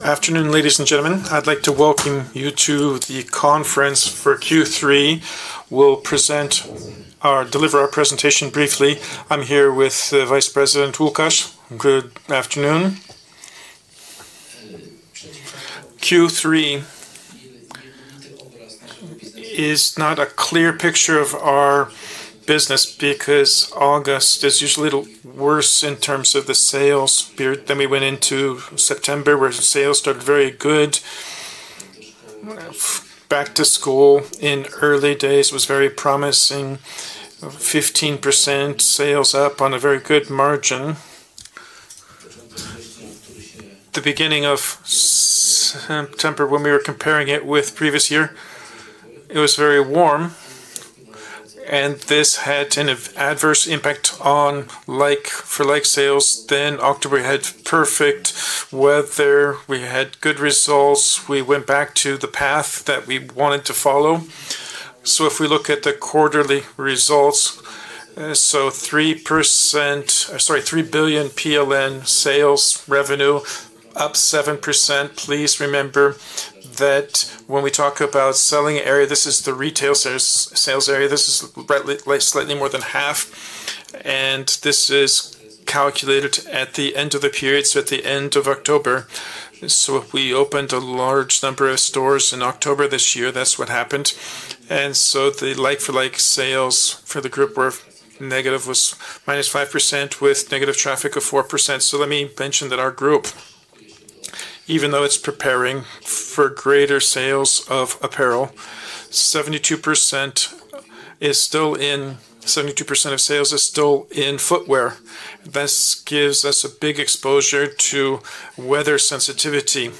Afternoon, ladies and gentlemen. I'd like to welcome you to the conference for Q3. We'll present or deliver our presentation briefly. I'm here with Vice President Łukasz. Good afternoon. Q3 is not a clear picture of our business because August is usually worse in terms of the sales. Then we went into September where sales started very good. Back to school in early days was very promising, 15% sales up on a very good margin. The beginning of September, when we were comparing it with the previous year, it was very warm, and this had an adverse impact on for like sales. October had perfect weather. We had good results. We went back to the path that we wanted to follow. If we look at the quarterly results, 3 billion PLN sales revenue, up 7%. Please remember that when we talk about selling area, this is the retail sales area. This is slightly more than half, and this is calculated at the end of the period, so at the end of October. We opened a large number of stores in October this year. That is what happened. The like-for-like sales for the group were negative, was -5% with negative traffic of 4%. Let me mention that our group, even though it is preparing for greater sales of apparel, 72% is still in—72% of sales is still in footwear. This gives us a big exposure to weather sensitivity.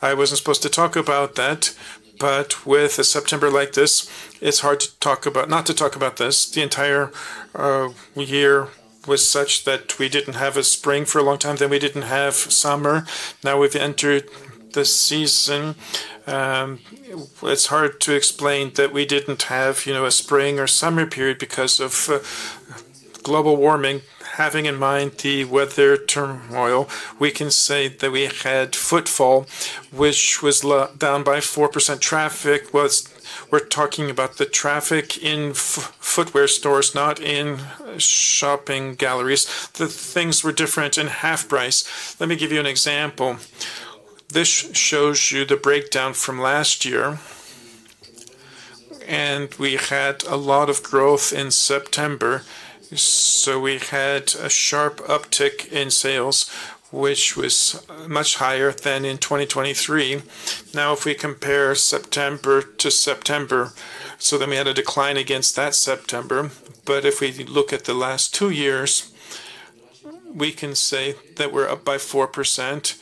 I was not supposed to talk about that, but with a September like this, it is hard not to talk about this. The entire year was such that we did not have a spring for a long time. Then we did not have summer. Now we've entered the season. It's hard to explain that we didn't have a spring or summer period because of global warming. Having in mind the weather turmoil, we can say that we had footfall, which was down by 4%. Traffic was—we're talking about the traffic in footwear stores, not in shopping galleries. The things were different in Half Price. Let me give you an example. This shows you the breakdown from last year, and we had a lot of growth in September. We had a sharp uptick in sales, which was much higher than in 2023. Now, if we compare September to September, we had a decline against that September. If we look at the last two years, we can say that we're up by 4%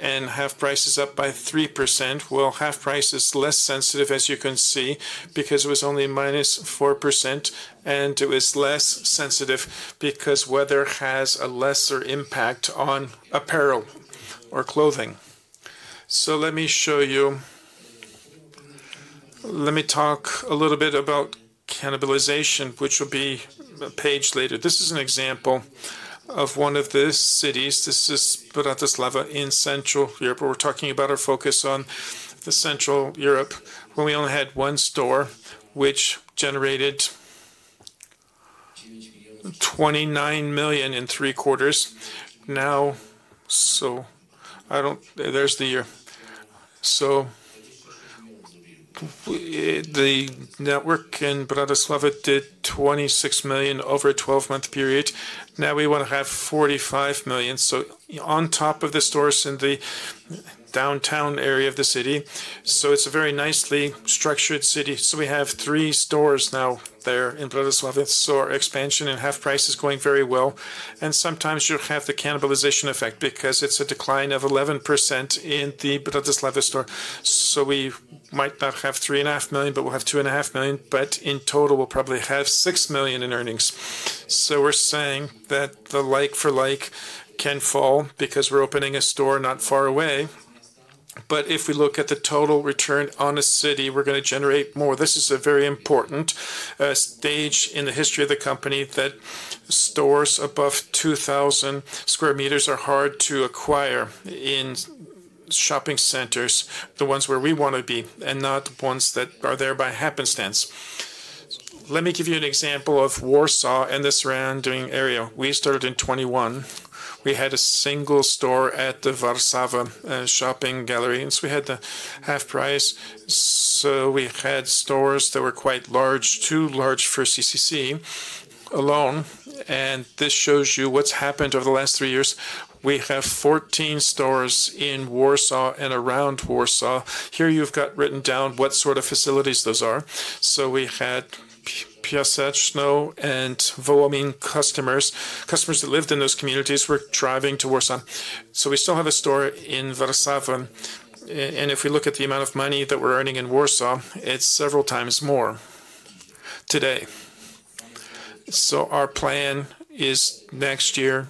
and Half Price is up by 3%. Half Price is less sensitive, as you can see, because it was only -4%, and it was less sensitive because weather has a lesser impact on apparel or clothing. Let me show you—let me talk a little bit about cannibalization, which will be a page later. This is an example of one of the cities. This is Bratislava in Central Europe. We're talking about our focus on Central Europe when we only had one store, which generated EUR 29 million in three quarters. Now, I don't—there's the year. The network in Bratislava did 26 million over a 12-month period. Now we want to have 45 million. On top of the stores in the downtown area of the city, it's a very nicely structured city. We have three stores now there in Bratislava. Our expansion and Half Price is going very well. Sometimes you have the cannibalization effect because it's a decline of 11% in the Bratislava store. We might not have 3.5 million, but we'll have 2.5 million. In total, we'll probably have 6 million in earnings. We're saying that the like-for-like can fall because we're opening a store not far away. If we look at the total return on a city, we're going to generate more. This is a very important stage in the history of the company that stores above 2,000 square meters are hard to acquire in shopping centers, the ones where we want to be and not ones that are there by happenstance. Let me give you an example of Warsaw and this surrounding area. We started in 2021. We had a single store at the Warszawa shopping gallery. We had the Half Price. We had stores that were quite large, too large for CCC alone. This shows you what has happened over the last three years. We have 14 stores in Warsaw and around Warsaw. Here you have written down what sort of facilities those are. We had Piaseczno and Wołomin customers. Customers that lived in those communities were driving to Warsaw. We still have a store in Warsaw. If we look at the amount of money that we are earning in Warsaw, it is several times more today. Our plan is next year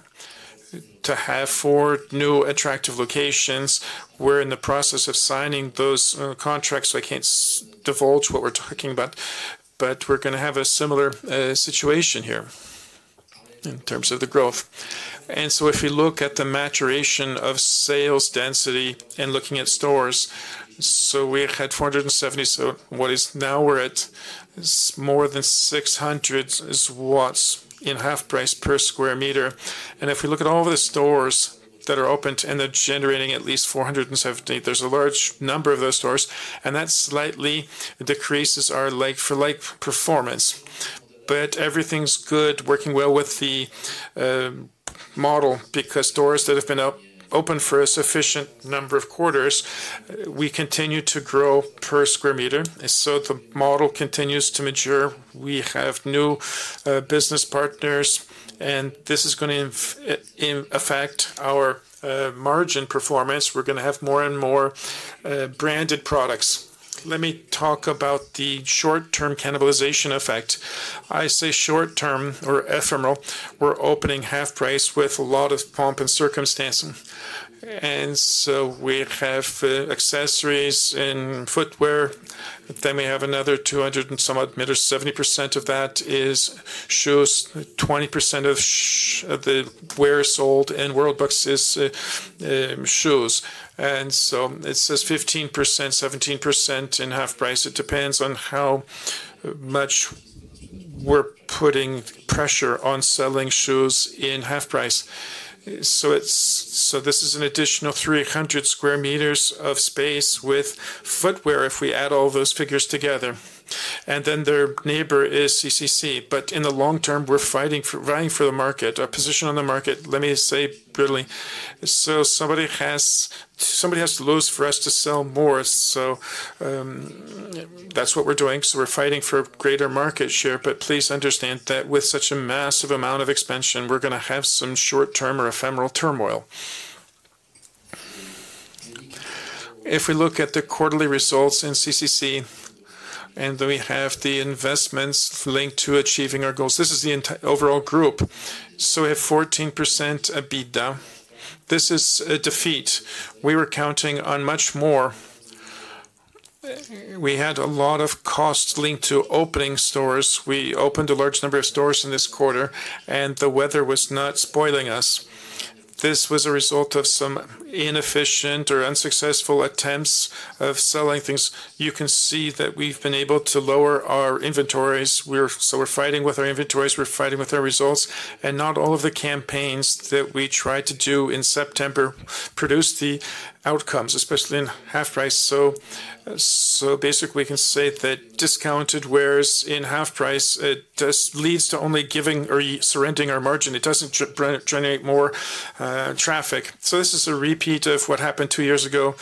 to have four new attractive locations. We are in the process of signing those contracts. I cannot divulge what we are talking about, but we are going to have a similar situation here in terms of the growth. If we look at the maturation of sales density and looking at stores, we had 470. What we are at now is more than 600 in Half Price per square meter. If we look at all of the stores that are opened and they are generating at least 470, there is a large number of those stores, and that slightly decreases our like-for-like performance. Everything is good, working well with the model because stores that have been open for a sufficient number of quarters, we continue to grow per square meter. The model continues to mature. We have new business partners, and this is going to affect our margin performance. We are going to have more and more branded products. Let me talk about the short-term cannibalization effect. I say short-term or ephemeral. We are opening Half Price with a lot of pomp and circumstance. We have accessories and footwear. We have another 200 and somewhat meters. 70% of that is shoes. 20% of the wear sold in Worldbox is shoes. It says 15%-17% in Half Price. It depends on how much we're putting pressure on selling shoes in Half Price. This is an additional 300 sq m of space with footwear if we add all those figures together. Their neighbor is CCC. In the long term, we're fighting for, running for the market, a position on the market, let me say bitterly. Somebody has to lose for us to sell more. That's what we're doing. We're fighting for greater market share. Please understand that with such a massive amount of expansion, we're going to have some short-term or ephemeral turmoil. If we look at the quarterly results in CCC, and then we have the investments linked to achieving our goals, this is the overall group. We have 14% EBITDA. This is a defeat. We were counting on much more. We had a lot of costs linked to opening stores. We opened a large number of stores in this quarter, and the weather was not spoiling us. This was a result of some inefficient or unsuccessful attempts of selling things. You can see that we've been able to lower our inventories. So we're fighting with our inventories. We're fighting with our results. And not all of the campaigns that we tried to do in September produced the outcomes, especially in Half Price. Basically, we can say that discounted wear in Half Price, it just leads to only giving or surrendering our margin. It doesn't generate more traffic. This is a repeat of what happened two years ago.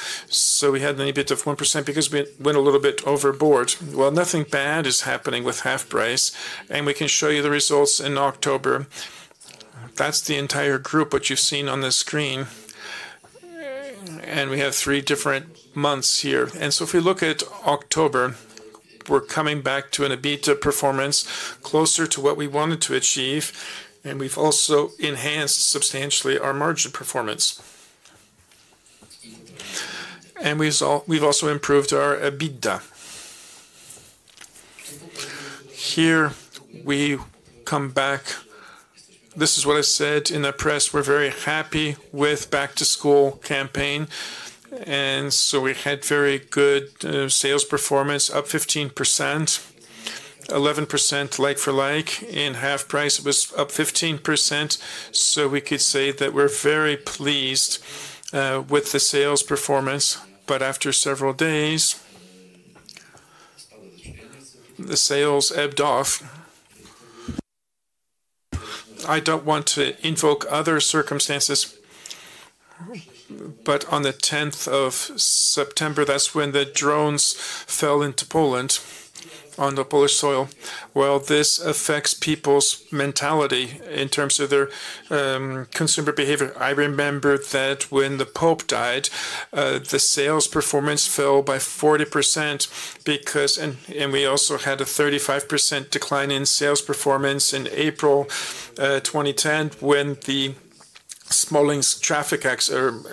We had an EBITDA of 1% because we went a little bit overboard. Nothing bad is happening with Half Price. We can show you the results in October. That is the entire group, what you have seen on the screen. We have three different months here. If we look at October, we are coming back to an EBITDA performance closer to what we wanted to achieve. We have also enhanced substantially our margin performance. We have also improved our EBITDA. Here we come back. This is what I said in the press. We are very happy with the back to school campaign. We had very good sales performance, up 15%, 11% like-for-like in Half Price. It was up 15%. We could say that we are very pleased with the sales performance. After several days, the sales ebbed off. I don't want to invoke other circumstances, but on the 10th of September, that's when the drones fell into Poland on the Polish soil. This affects people's mentality in terms of their consumer behavior. I remember that when the Pope died, the sales performance fell by 40% because we also had a 35% decline in sales performance in April 2010 when the Smolensk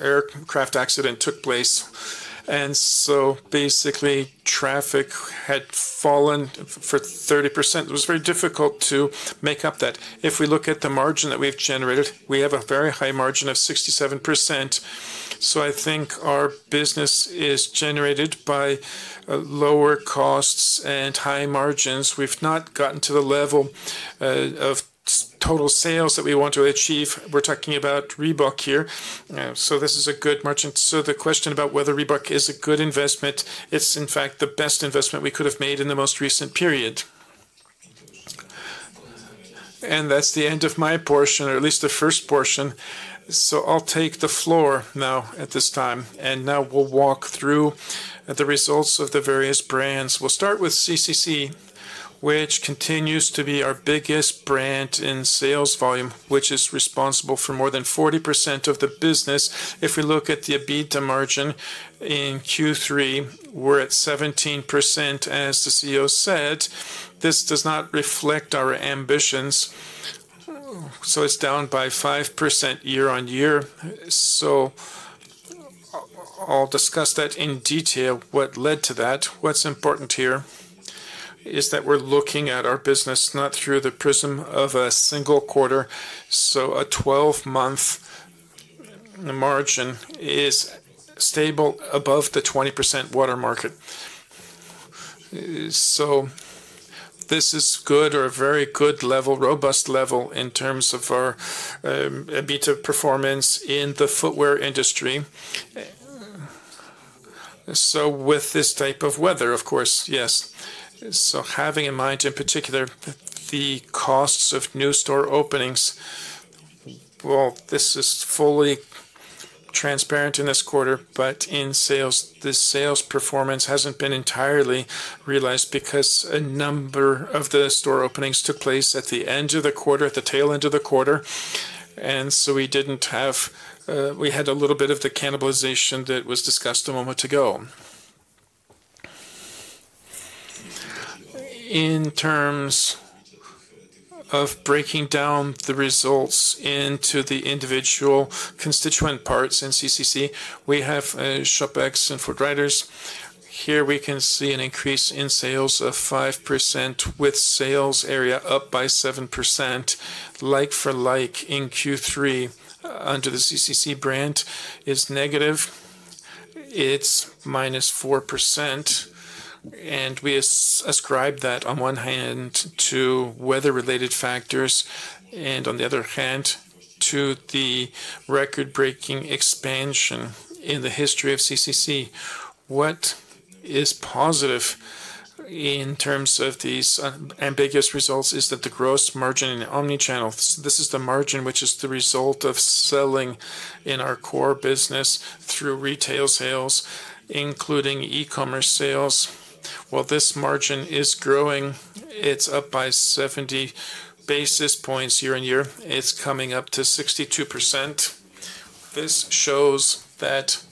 aircraft accident took place. Basically, traffic had fallen for 30%. It was very difficult to make up that. If we look at the margin that we've generated, we have a very high margin of 67%. I think our business is generated by lower costs and high margins. We've not gotten to the level of total sales that we want to achieve. We're talking about Reebok here. This is a good margin. The question about whether Reebok is a good investment, it's in fact the best investment we could have made in the most recent period. That's the end of my portion, or at least the first portion. I'll take the floor now at this time. Now we'll walk through the results of the various brands. We'll start with CCC, which continues to be our biggest brand in sales volume, which is responsible for more than 40% of the business. If we look at the EBITDA margin in Q3, we're at 17%, as the CEO said. This does not reflect our ambitions. It's down by 5% year on year. I'll discuss that in detail, what led to that. What's important here is that we're looking at our business not through the prism of a single quarter. A 12-month margin is stable above the 20% watermark. This is good or a very good level, robust level in terms of our EBITDA performance in the footwear industry. With this type of weather, of course, yes. Having in mind, in particular, the costs of new store openings, this is fully transparent in this quarter, but in sales, the sales performance has not been entirely realized because a number of the store openings took place at the end of the quarter, at the tail end of the quarter. We had a little bit of the cannibalization that was discussed a moment ago. In terms of breaking down the results into the individual constituent parts in CCC, we have Schuppeks and Footriders. Here we can see an increase in sales of 5% with sales area up by 7%. Like-for-like in Q3 under the CCC brand is negative. It's -4%. We ascribe that on one hand to weather-related factors and on the other hand to the record-breaking expansion in the history of CCC. What is positive in terms of these ambiguous results is that the gross margin in omnichannel, this is the margin which is the result of selling in our core business through retail sales, including e-commerce sales. This margin is growing. It's up by 70 basis points year on year. It's coming up to 62%. This shows that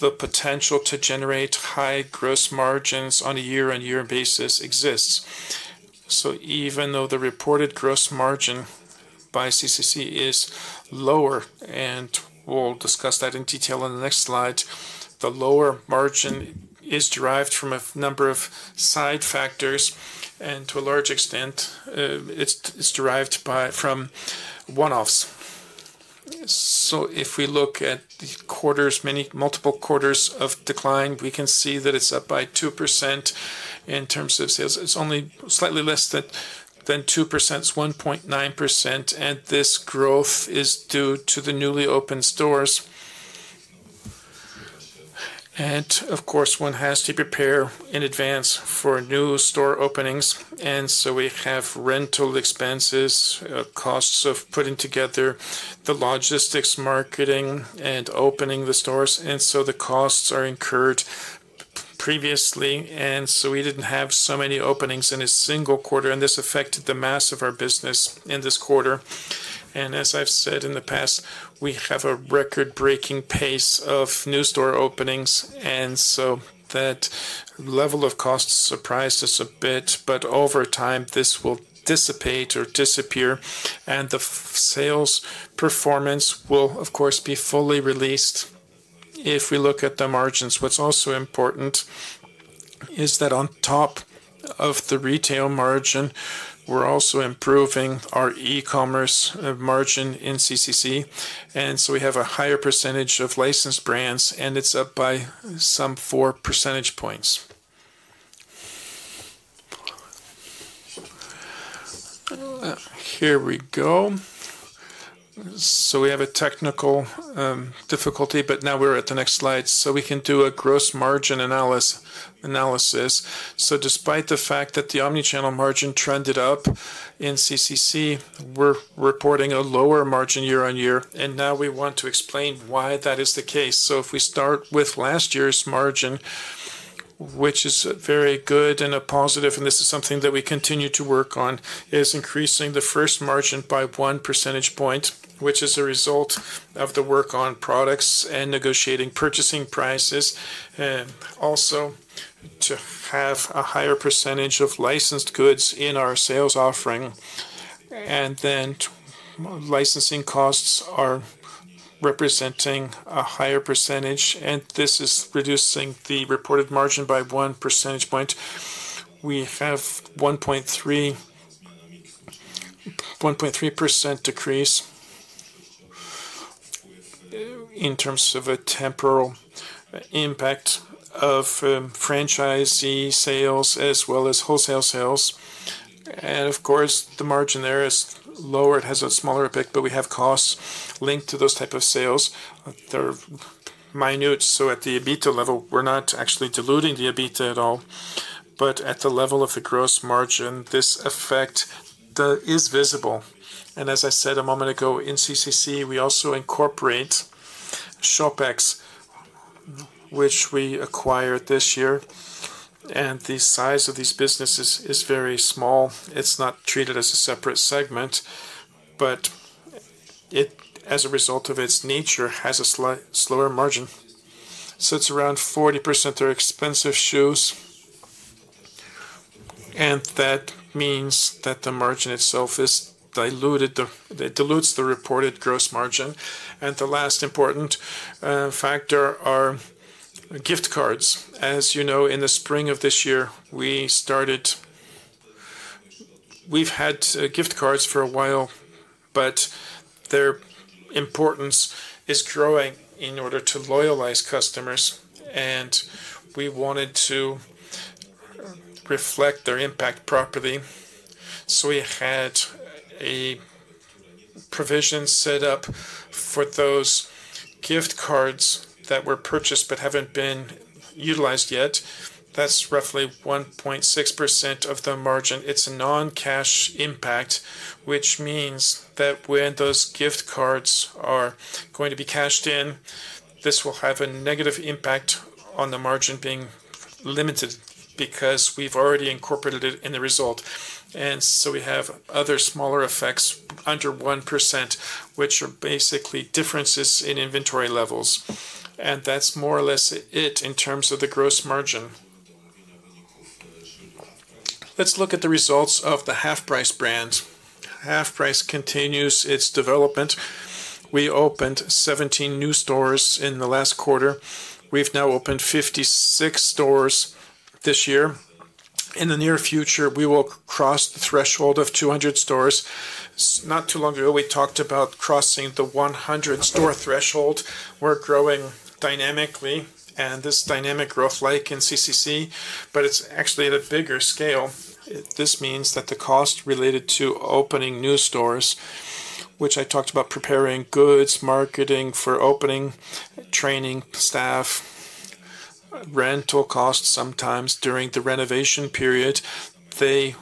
the potential to generate high gross margins on a year-on-year basis exists. Even though the reported gross margin by CCC is lower, and we'll discuss that in detail on the next slide, the lower margin is derived from a number of side factors and to a large extent, it's derived from one-offs. If we look at the quarters, multiple quarters of decline, we can see that it's up by 2% in terms of sales. It's only slightly less than 2%. It's 1.9%. This growth is due to the newly opened stores. Of course, one has to prepare in advance for new store openings. We have rental expenses, costs of putting together the logistics, marketing, and opening the stores. The costs are incurred previously. We didn't have so many openings in a single quarter. This affected the mass of our business in this quarter. As I've said in the past, we have a record-breaking pace of new store openings. That level of costs surprised us a bit. Over time, this will dissipate or disappear. The sales performance will, of course, be fully released if we look at the margins. What's also important is that on top of the retail margin, we're also improving our e-commerce margin in CCC. We have a higher percentage of licensed brands, and it's up by some four percentage points. Here we go. We have a technical difficulty, but now we're at the next slide. We can do a gross margin analysis. Despite the fact that the omnichannel margin trended up in CCC, we're reporting a lower margin year on year. Now we want to explain why that is the case. If we start with last year's margin, which is very good and a positive, and this is something that we continue to work on, is increasing the first margin by one percentage point, which is a result of the work on products and negotiating purchasing prices. Also, to have a higher percentage of licensed goods in our sales offering. Then licensing costs are representing a higher percentage. This is reducing the reported margin by one percentage point. We have a 1.3% decrease in terms of a temporal impact of franchisee sales as well as wholesale sales. Of course, the margin there is lower. It has a smaller impact, but we have costs linked to those types of sales. They're minute. At the EBITDA level, we're not actually diluting the EBITDA at all. At the level of the gross margin, this effect is visible. As I said a moment ago, in CCC, we also incorporate Schuppeks, which we acquired this year. The size of these businesses is very small. It is not treated as a separate segment, but it, as a result of its nature, has a slower margin. It is around 40%. They are expensive shoes. That means that the margin itself is diluted. It dilutes the reported gross margin. The last important factor is gift cards. As you know, in the spring of this year, we have had gift cards for a while, but their importance is growing in order to loyalize customers. We wanted to reflect their impact properly. We had a provision set up for those gift cards that were purchased but have not been utilized yet. That is roughly 1.6% of the margin. It's a non-cash impact, which means that when those gift cards are going to be cashed in, this will have a negative impact on the margin being limited because we've already incorporated it in the result. We have other smaller effects under 1%, which are basically differences in inventory levels. That's more or less it in terms of the gross margin. Let's look at the results of the Half Price brand. Half Price continues its development. We opened 17 new stores in the last quarter. We've now opened 56 stores this year. In the near future, we will cross the threshold of 200 stores. Not too long ago, we talked about crossing the 100-store threshold. We're growing dynamically, and this dynamic growth like in CCC, but it's actually at a bigger scale. This means that the cost related to opening new stores, which I talked about—preparing goods, marketing for opening, training staff, rental costs sometimes during the renovation period—they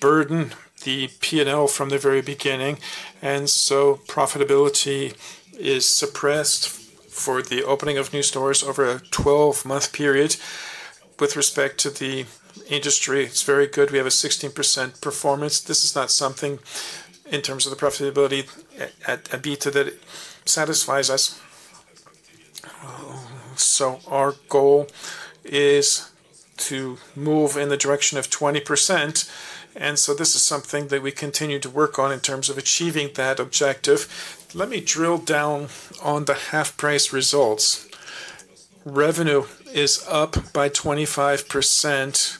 burden the P&L from the very beginning. Profitability is suppressed for the opening of new stores over a 12-month period. With respect to the industry, it is very good. We have a 16% performance. This is not something in terms of the profitability at EBITDA that satisfies us. Our goal is to move in the direction of 20%. This is something that we continue to work on in terms of achieving that objective. Let me drill down on the Half Price results. Revenue is up by 25%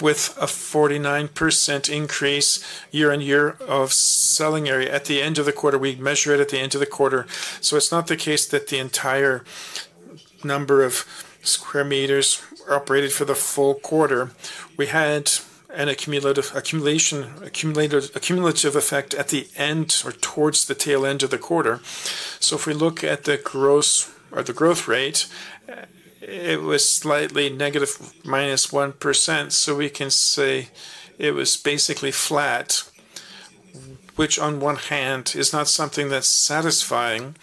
with a 49% increase year on year of selling area. At the end of the quarter, we measure it at the end of the quarter. It is not the case that the entire number of square meters operated for the full quarter. We had an accumulative effect at the end or towards the tail end of the quarter. If we look at the growth or the growth rate, it was slightly negative, -1%. We can say it was basically flat, which on one hand is not something that's satisfying,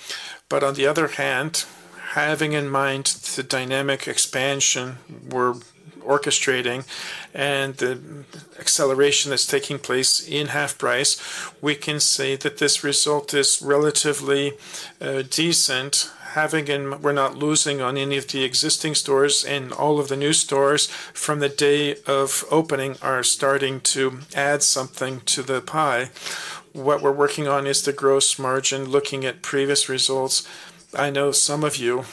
but on the other hand, having in mind the dynamic expansion we're orchestrating and the acceleration that's taking place in Half Price, we can say that this result is relatively decent. Having in mind we're not losing on any of the existing stores and all of the new stores from the day of opening are starting to add something to the pie. What we're working on is the gross margin, looking at previous results. I know some of you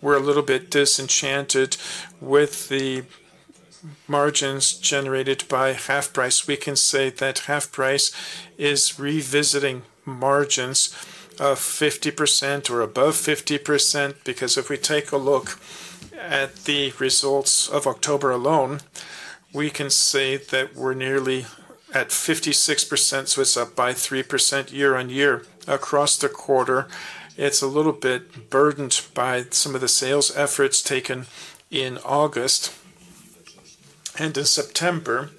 were a little bit disenchanted with the margins generated by Half Price. We can say that Half Price is revisiting margins of 50% or above 50% because if we take a look at the results of October alone, we can say that we're nearly at 56%. It is up by 3% year on year across the quarter. It is a little bit burdened by some of the sales efforts taken in August and in September.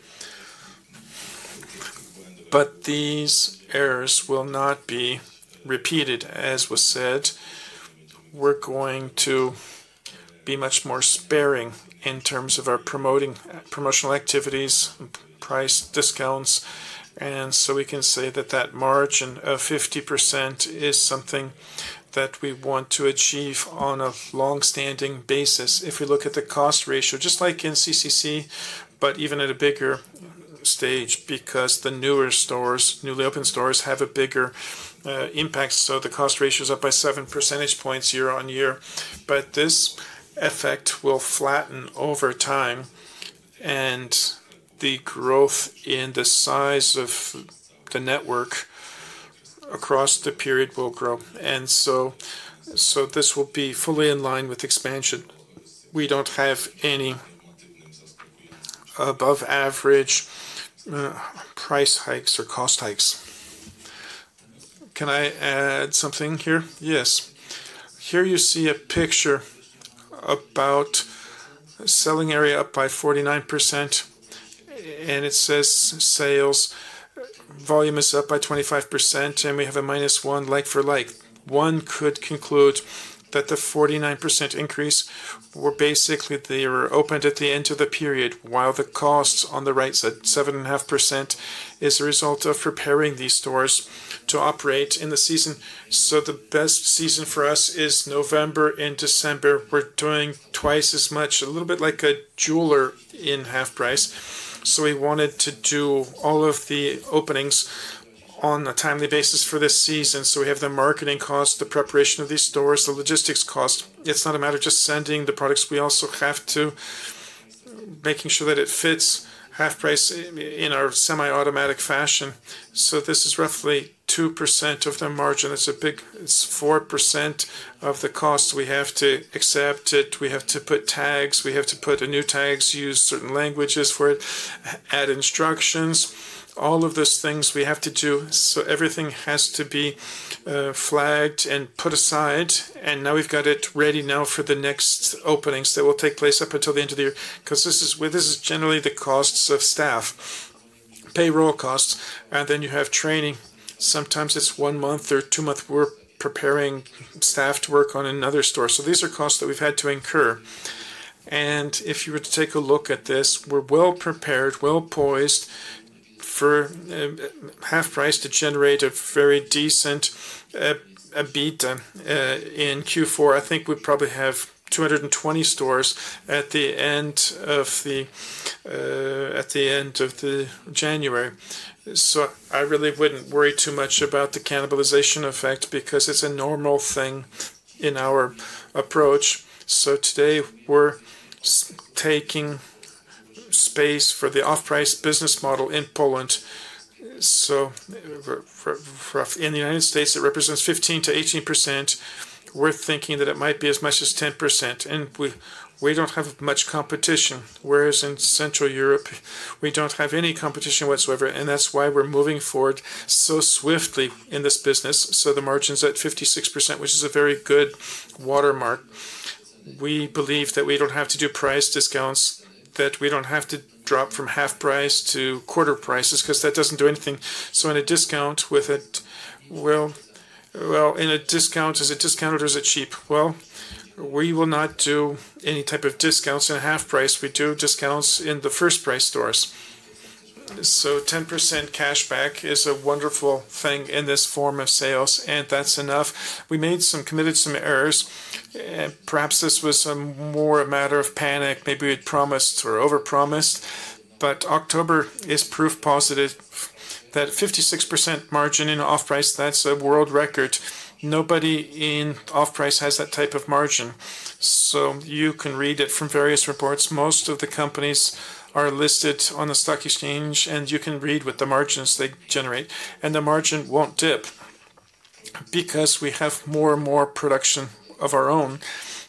These errors will not be repeated, as was said. We are going to be much more sparing in terms of our promotional activities, price discounts. We can say that that margin of 50% is something that we want to achieve on a long-standing basis. If we look at the cost ratio, just like in CCC, but even at a bigger stage because the newer stores, newly opened stores have a bigger impact. The cost ratio is up by 7 percentage points year on year. This effect will flatten over time, and the growth in the size of the network across the period will grow. This will be fully in line with expansion. We do not have any above-average price hikes or cost hikes. Can I add something here? Yes. Here you see a picture about selling area up by 49%, and it says sales volume is up by 25%, and we have a -1 like-for-like. One could conclude that the 49% increase was basically they were opened at the end of the period while the costs on the right side, 7.5%, is the result of preparing these stores to operate in the season. The best season for us is November and December. We're doing twice as much, a little bit like a jeweler in Half Price. We wanted to do all of the openings on a timely basis for this season. We have the marketing cost, the preparation of these stores, the logistics cost. It's not a matter of just sending the products. We also have to make sure that it fits Half Price in our semi-automatic fashion. This is roughly 2% of the margin. It's a big 4% of the cost. We have to accept it. We have to put tags. We have to put new tags, use certain languages for it, add instructions. All of those things we have to do. Everything has to be flagged and put aside. We have it ready now for the next openings that will take place up until the end of the year because this is generally the costs of staff, payroll costs. You have training. Sometimes it is one month or two months. We are preparing staff to work on another store. These are costs that we have had to incur. If you were to take a look at this, we are well prepared, well poised for Half Price to generate a very decent EBITDA in Q4. I think we probably have 220 stores at the end of January. I really wouldn't worry too much about the cannibalization effect because it's a normal thing in our approach. Today we're taking space for the off-price business model in Poland. In the United States, it represents 15%-18%. We're thinking that it might be as much as 10%. We don't have much competition, whereas in Central Europe, we don't have any competition whatsoever. That's why we're moving forward so swiftly in this business. The margin's at 56%, which is a very good watermark. We believe that we don't have to do price discounts, that we don't have to drop from half price to quarter prices because that doesn't do anything. In a discount, is it discounted or is it cheap? We will not do any type of discounts in Half Price. We do discounts in the first price stores. 10% cashback is a wonderful thing in this form of sales, and that's enough. We made some, committed some errors. Perhaps this was more a matter of panic. Maybe we had promised or overpromised. October is proof positive that 56% margin in off-price, that's a world record. Nobody in off-price has that type of margin. You can read it from various reports. Most of the companies are listed on the stock exchange, and you can read what the margins they generate. The margin won't dip because we have more and more production of our own.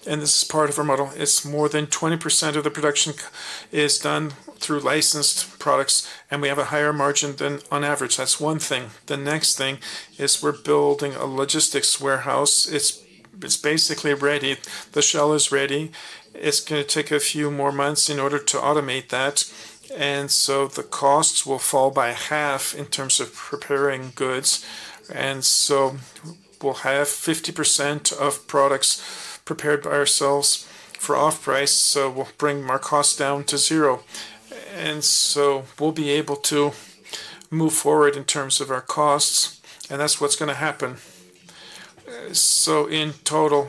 This is part of our model. It's more than 20% of the production is done through licensed products, and we have a higher margin than on average. That's one thing. The next thing is we're building a logistics warehouse. It's basically ready. The shell is ready. It's going to take a few more months in order to automate that. The costs will fall by half in terms of preparing goods. We'll have 50% of products prepared by ourselves for off-price. We'll bring our costs down to zero. We'll be able to move forward in terms of our costs. That's what's going to happen. In total,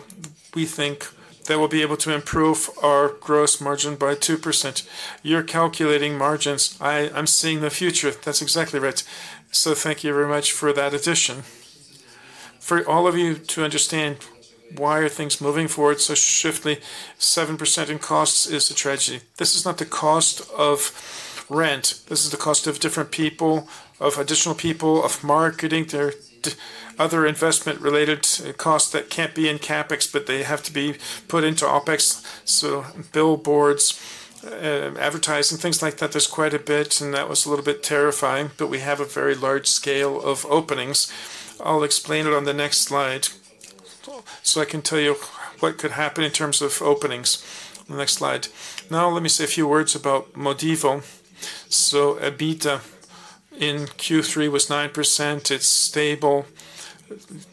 we think that we'll be able to improve our gross margin by 2%. You're calculating margins. I'm seeing the future. That's exactly right. Thank you very much for that addition. For all of you to understand why are things moving forward so swiftly, 7% in costs is a tragedy. This is not the cost of rent. This is the cost of different people, of additional people, of marketing. There are other investment-related costs that cannot be in CapEx, but they have to be put into OpEx. Billboards, advertising, things like that, there is quite a bit. That was a little bit terrifying, but we have a very large scale of openings. I will explain it on the next slide so I can tell you what could happen in terms of openings. Next slide. Now let me say a few words about Modivo. EBITDA in Q3 was 9%. It is stable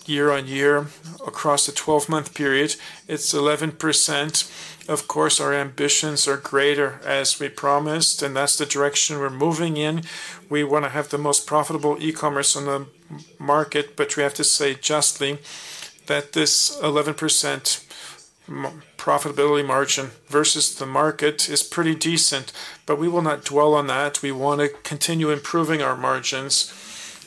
year on year across a 12-month period. It is 11%. Of course, our ambitions are greater as we promised, and that is the direction we are moving in. We want to have the most profitable e-commerce on the market, but we have to say justly that this 11% profitability margin versus the market is pretty decent, but we will not dwell on that. We want to continue improving our margins.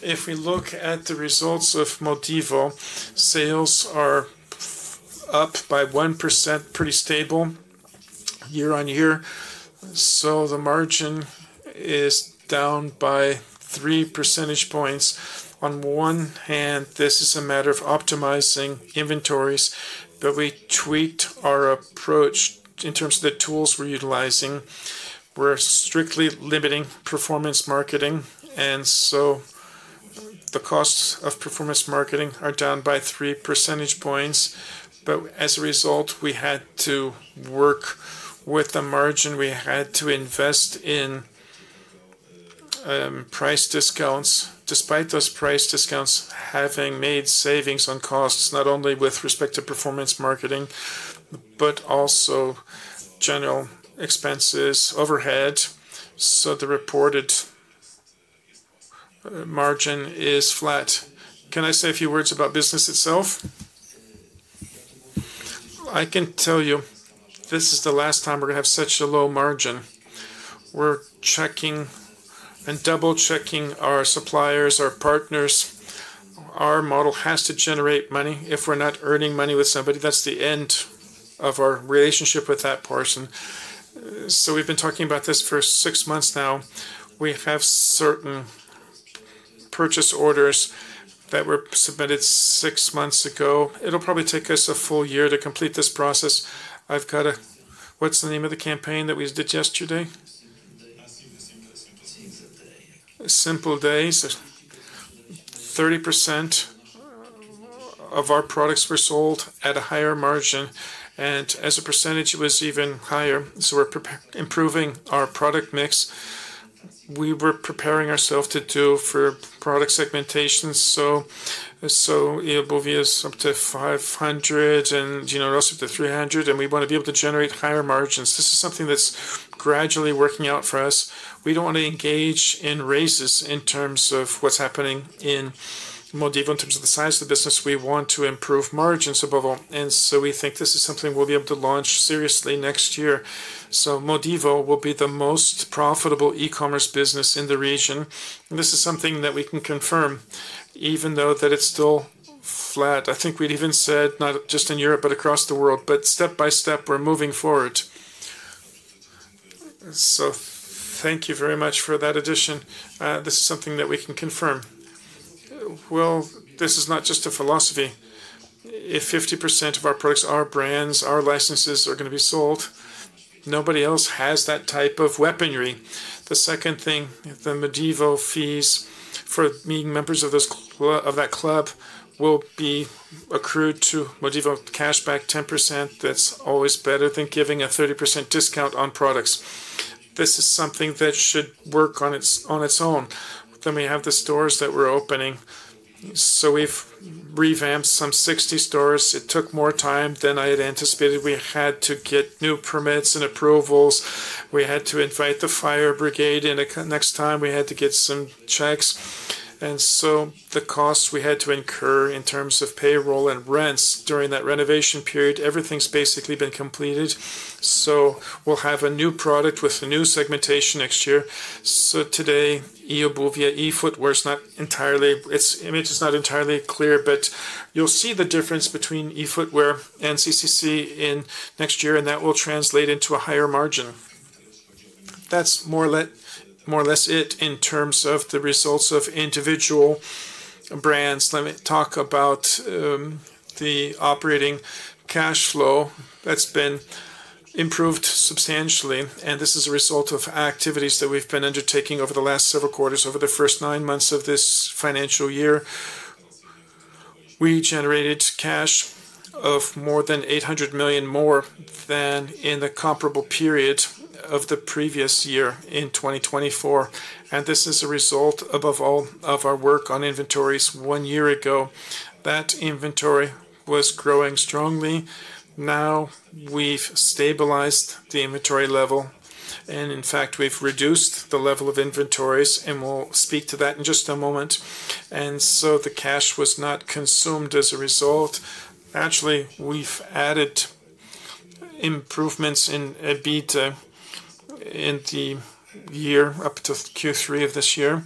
If we look at the results of Modivo, sales are up by 1%, pretty stable year on year. The margin is down by 3 percentage points. On one hand, this is a matter of optimizing inventories, but we tweaked our approach in terms of the tools we're utilizing. We're strictly limiting performance marketing. The costs of performance marketing are down by 3 percentage points. As a result, we had to work with the margin. We had to invest in price discounts. Despite those price discounts, having made savings on costs, not only with respect to performance marketing, but also general expenses overhead. The reported margin is flat. Can I say a few words about business itself? I can tell you this is the last time we're going to have such a low margin. We're checking and double-checking our suppliers, our partners. Our model has to generate money. If we're not earning money with somebody, that's the end of our relationship with that person. We've been talking about this for six months now. We have certain purchase orders that were submitted six months ago. It'll probably take us a full year to complete this process. I've got a, what's the name of the campaign that we did yesterday? Simple Days. 30% of our products were sold at a higher margin, and as a percentage, it was even higher. We're improving our product mix. We were preparing ourselves to do for product segmentation. So EOBV is up to 500 and GNOS up to 300, and we want to be able to generate higher margins. This is something that's gradually working out for us. We do not want to engage in raises in terms of what is happening in Modivo in terms of the size of the business. We want to improve margins above all. We think this is something we will be able to launch seriously next year. Modivo will be the most profitable e-commerce business in the region. This is something that we can confirm, even though it is still flat. I think we even said not just in Europe, but across the world, step by step, we are moving forward. Thank you very much for that addition. This is something that we can confirm. This is not just a philosophy. If 50% of our products, our brands, our licenses are going to be sold, nobody else has that type of weaponry. The second thing, the Modivo fees for meeting members of that club will be accrued to Modivo cashback 10%. That's always better than giving a 30% discount on products. This is something that should work on its own. We have the stores that we're opening. We've revamped some 60 stores. It took more time than I had anticipated. We had to get new permits and approvals. We had to invite the fire brigade in next time. We had to get some checks. The costs we had to incur in terms of payroll and rents during that renovation period, everything's basically been completed. We'll have a new product with a new segmentation next year. Today, eFootwear is not entirely, its image is not entirely clear, but you'll see the difference between eFootwear and CCC next year, and that will translate into a higher margin. That's more or less it in terms of the results of individual brands. Let me talk about the operating cash flow. That has been improved substantially, and this is a result of activities that we've been undertaking over the last several quarters, over the first nine months of this financial year. We generated cash of more than 800 million more than in the comparable period of the previous year in 2024. This is a result, above all, of our work on inventories one year ago. That inventory was growing strongly. Now we've stabilized the inventory level, and in fact, we've reduced the level of inventories, and we'll speak to that in just a moment. The cash was not consumed as a result. Actually, we've added improvements in EBITDA in the year up to Q3 of this year.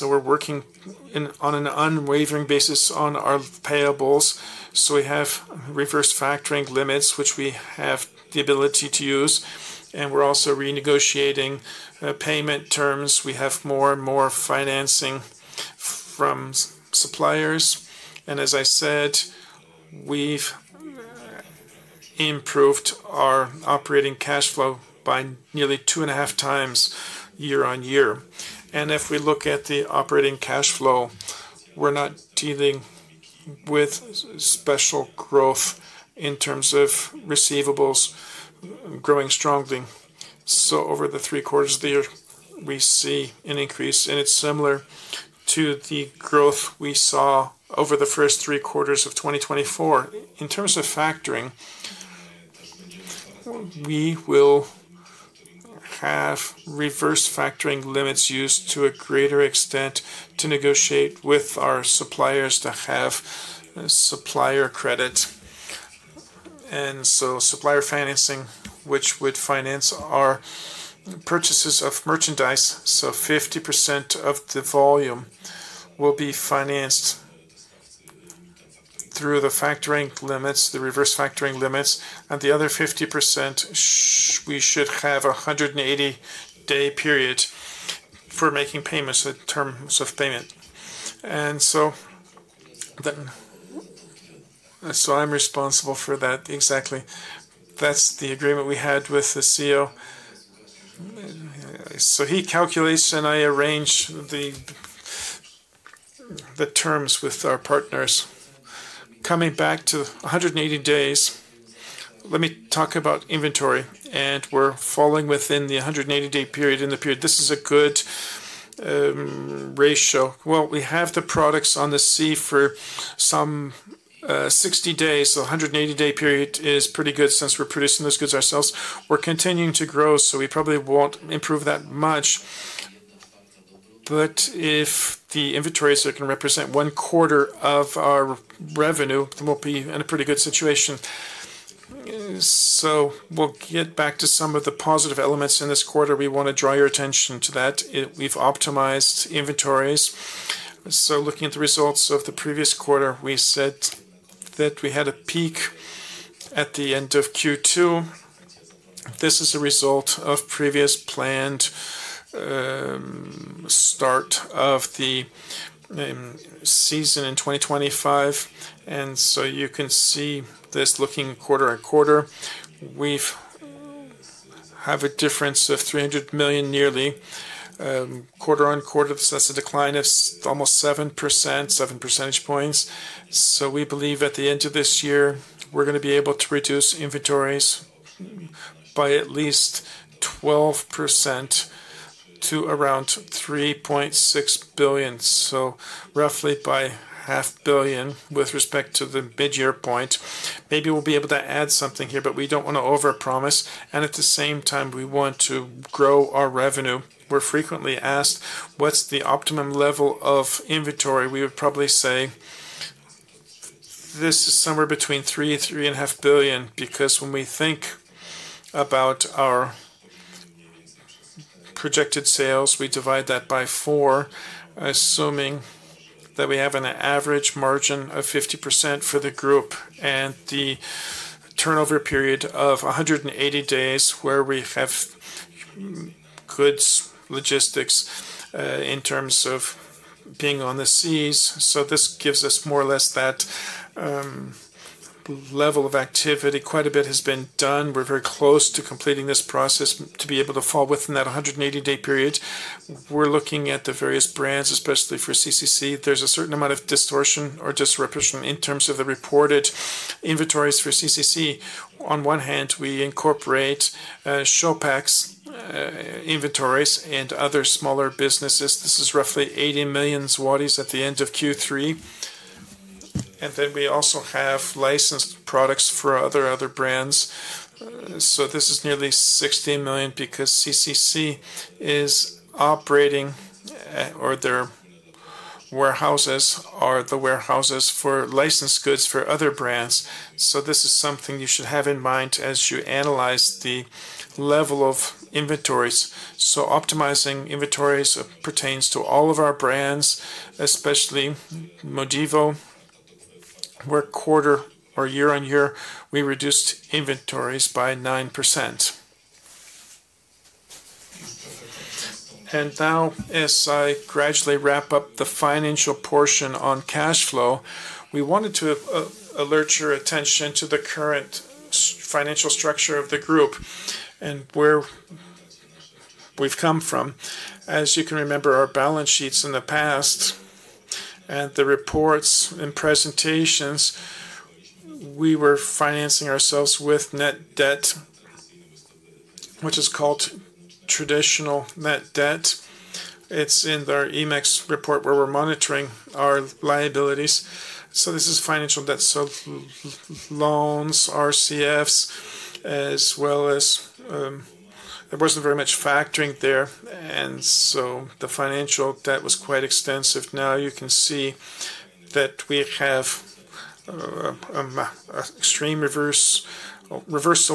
We're working on an unwavering basis on our payables. We have reverse factoring limits, which we have the ability to use, and we're also renegotiating payment terms. We have more and more financing from suppliers. As I said, we've improved our operating cash flow by nearly two and a half times year on year. If we look at the operating cash flow, we're not dealing with special growth in terms of receivables growing strongly. Over the three quarters of the year, we see an increase, and it's similar to the growth we saw over the first three quarters of 2024. In terms of factoring, we will have reverse factoring limits used to a greater extent to negotiate with our suppliers to have supplier credit. Supplier financing, which would finance our purchases of merchandise, so 50% of the volume will be financed through the factoring limits, the reverse factoring limits. The other 50%, we should have a 180-day period for making payments in terms of payment. I'm responsible for that exactly. That's the agreement we had with the CEO. He calculates and I arrange the terms with our partners. Coming back to 180 days, let me talk about inventory. We're falling within the 180-day period in the period. This is a good ratio. We have the products on the sea for some 60 days, so 180-day period is pretty good since we're producing those goods ourselves. We're continuing to grow, so we probably won't improve that much. If the inventories are going to represent one quarter of our revenue, then we'll be in a pretty good situation. We'll get back to some of the positive elements in this quarter. We want to draw your attention to that. We've optimized inventories. Looking at the results of the previous quarter, we said that we had a peak at the end of Q2. This is a result of previous planned start of the season in 2025. You can see this looking quarter on quarter. We have a difference of 300 million nearly. Quarter on quarter, that's a decline of almost 7 percentage points. We believe at the end of this year, we're going to be able to reduce inventories by at least 12% to around 3.6 billion. Roughly by 500,000,000 with respect to the mid-year point. Maybe we'll be able to add something here, but we do not want to overpromise. At the same time, we want to grow our revenue. We're frequently asked, what's the optimum level of inventory? We would probably say this is somewhere between 3,000,000,000 and 3,500,000,000 because when we think about our projected sales, we divide that by four, assuming that we have an average margin of 50% for the group and the turnover period of 180 days where we have good logistics in terms of being on the seas. This gives us more or less that level of activity. Quite a bit has been done. We're very close to completing this process to be able to fall within that 180-day period. We're looking at the various brands, especially for CCC. is a certain amount of distortion or disruption in terms of the reported inventories for CCC. On one hand, we incorporate Showpack's inventories and other smaller businesses. This is roughly 80 million zlotys at the end of Q3. We also have licensed products for other brands. This is nearly 60 million because CCC is operating, or their warehouses are the warehouses for licensed goods for other brands. This is something you should have in mind as you analyze the level of inventories. Optimizing inventories pertains to all of our brands, especially Modivo, where quarter or year on year, we reduced inventories by 9%. Now, as I gradually wrap up the financial portion on cash flow, we wanted to alert your attention to the current financial structure of the group and where we have come from. As you can remember, our balance sheets in the past and the reports and presentations, we were financing ourselves with net debt, which is called traditional net debt. It is in their EMEX report where we are monitoring our liabilities. This is financial debt, so loans, RCFs, as well as there was not very much factoring there. The financial debt was quite extensive. Now you can see that we have an extreme reversal.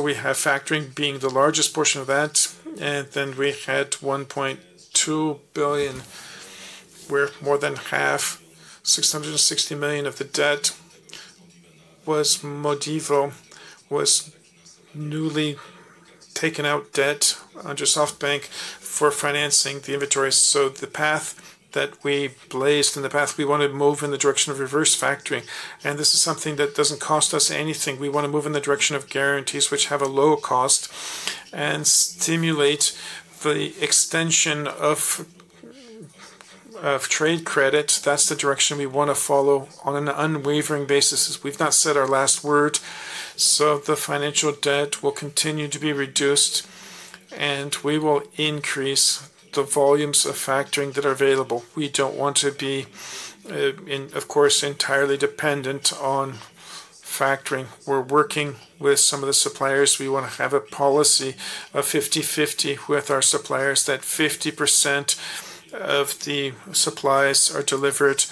We have factoring being the largest portion of that. Then we had 1.2 billion, where more than half, 660 million of the debt, was Modivo, was newly taken out debt under SoftBank for financing the inventory. The path that we blazed in the past, we want to move in the direction of reverse factoring. This is something that does not cost us anything. We want to move in the direction of guarantees, which have a low cost and stimulate the extension of trade credit. That is the direction we want to follow on an unwavering basis. We've not said our last word. The financial debt will continue to be reduced, and we will increase the volumes of factoring that are available. We do not want to be, of course, entirely dependent on factoring. We're working with some of the suppliers. We want to have a policy of 50-50 with our suppliers, that 50% of the supplies are delivered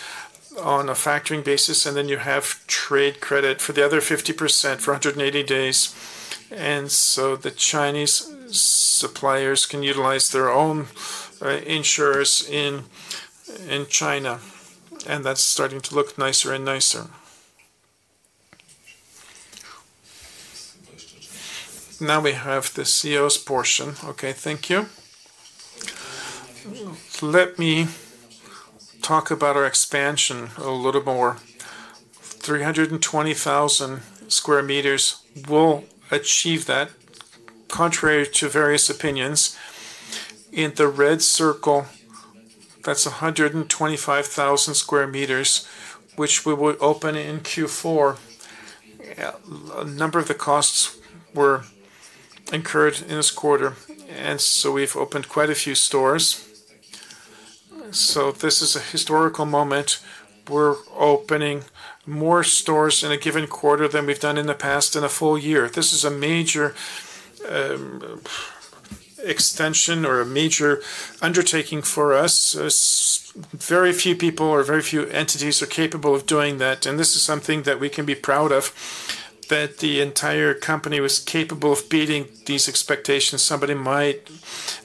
on a factoring basis, and you have trade credit for the other 50% for 180 days. The Chinese suppliers can utilize their own insurers in China. That is starting to look nicer and nicer. Now we have the CEO's portion. Okay, thank you. Let me talk about our expansion a little more. 320,000 sq m. We'll achieve that, contrary to various opinions. In the red circle, that's 125,000 sq m, which we will open in Q4. A number of the costs were incurred in this quarter, and we've opened quite a few stores. This is a historical moment. We're opening more stores in a given quarter than we've done in the past in a full year. This is a major extension or a major undertaking for us. Very few people or very few entities are capable of doing that. This is something that we can be proud of, that the entire company was capable of beating these expectations. Somebody might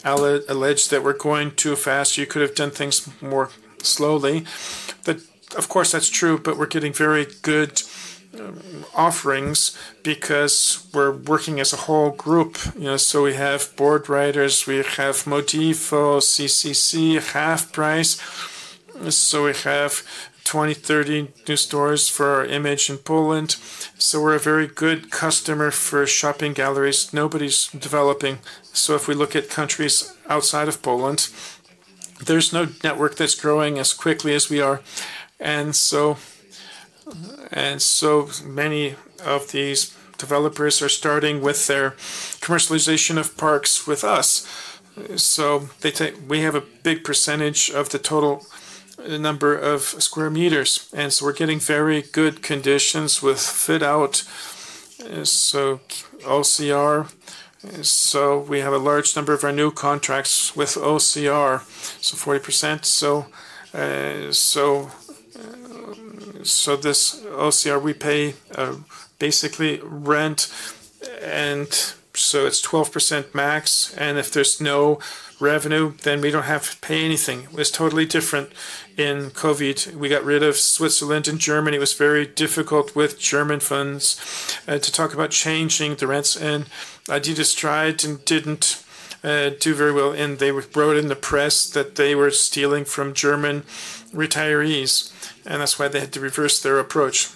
allege that we're going too fast. You could have done things more slowly. Of course, that's true, but we're getting very good offerings because we're working as a whole group. We have board writers. We have Modivo, CCC, Half Price. We have 20-30 new stores for our image in Poland. We are a very good customer for shopping galleries. Nobody is developing. If we look at countries outside of Poland, there is no network that is growing as quickly as we are. Many of these developers are starting with their commercialization of parks with us. We have a big percentage of the total number of square meters. We are getting very good conditions with fit-out. OCR. We have a large number of our new contracts with OCR. 40%. This OCR, we pay basically rent. It is 12% max. If there is no revenue, then we do not have to pay anything. It was totally different in COVID. We got rid of Switzerland and Germany. It was very difficult with German funds to talk about changing the rents. And I just tried and did not do very well. They wrote in the press that they were stealing from German retirees. That is why they had to reverse their approach.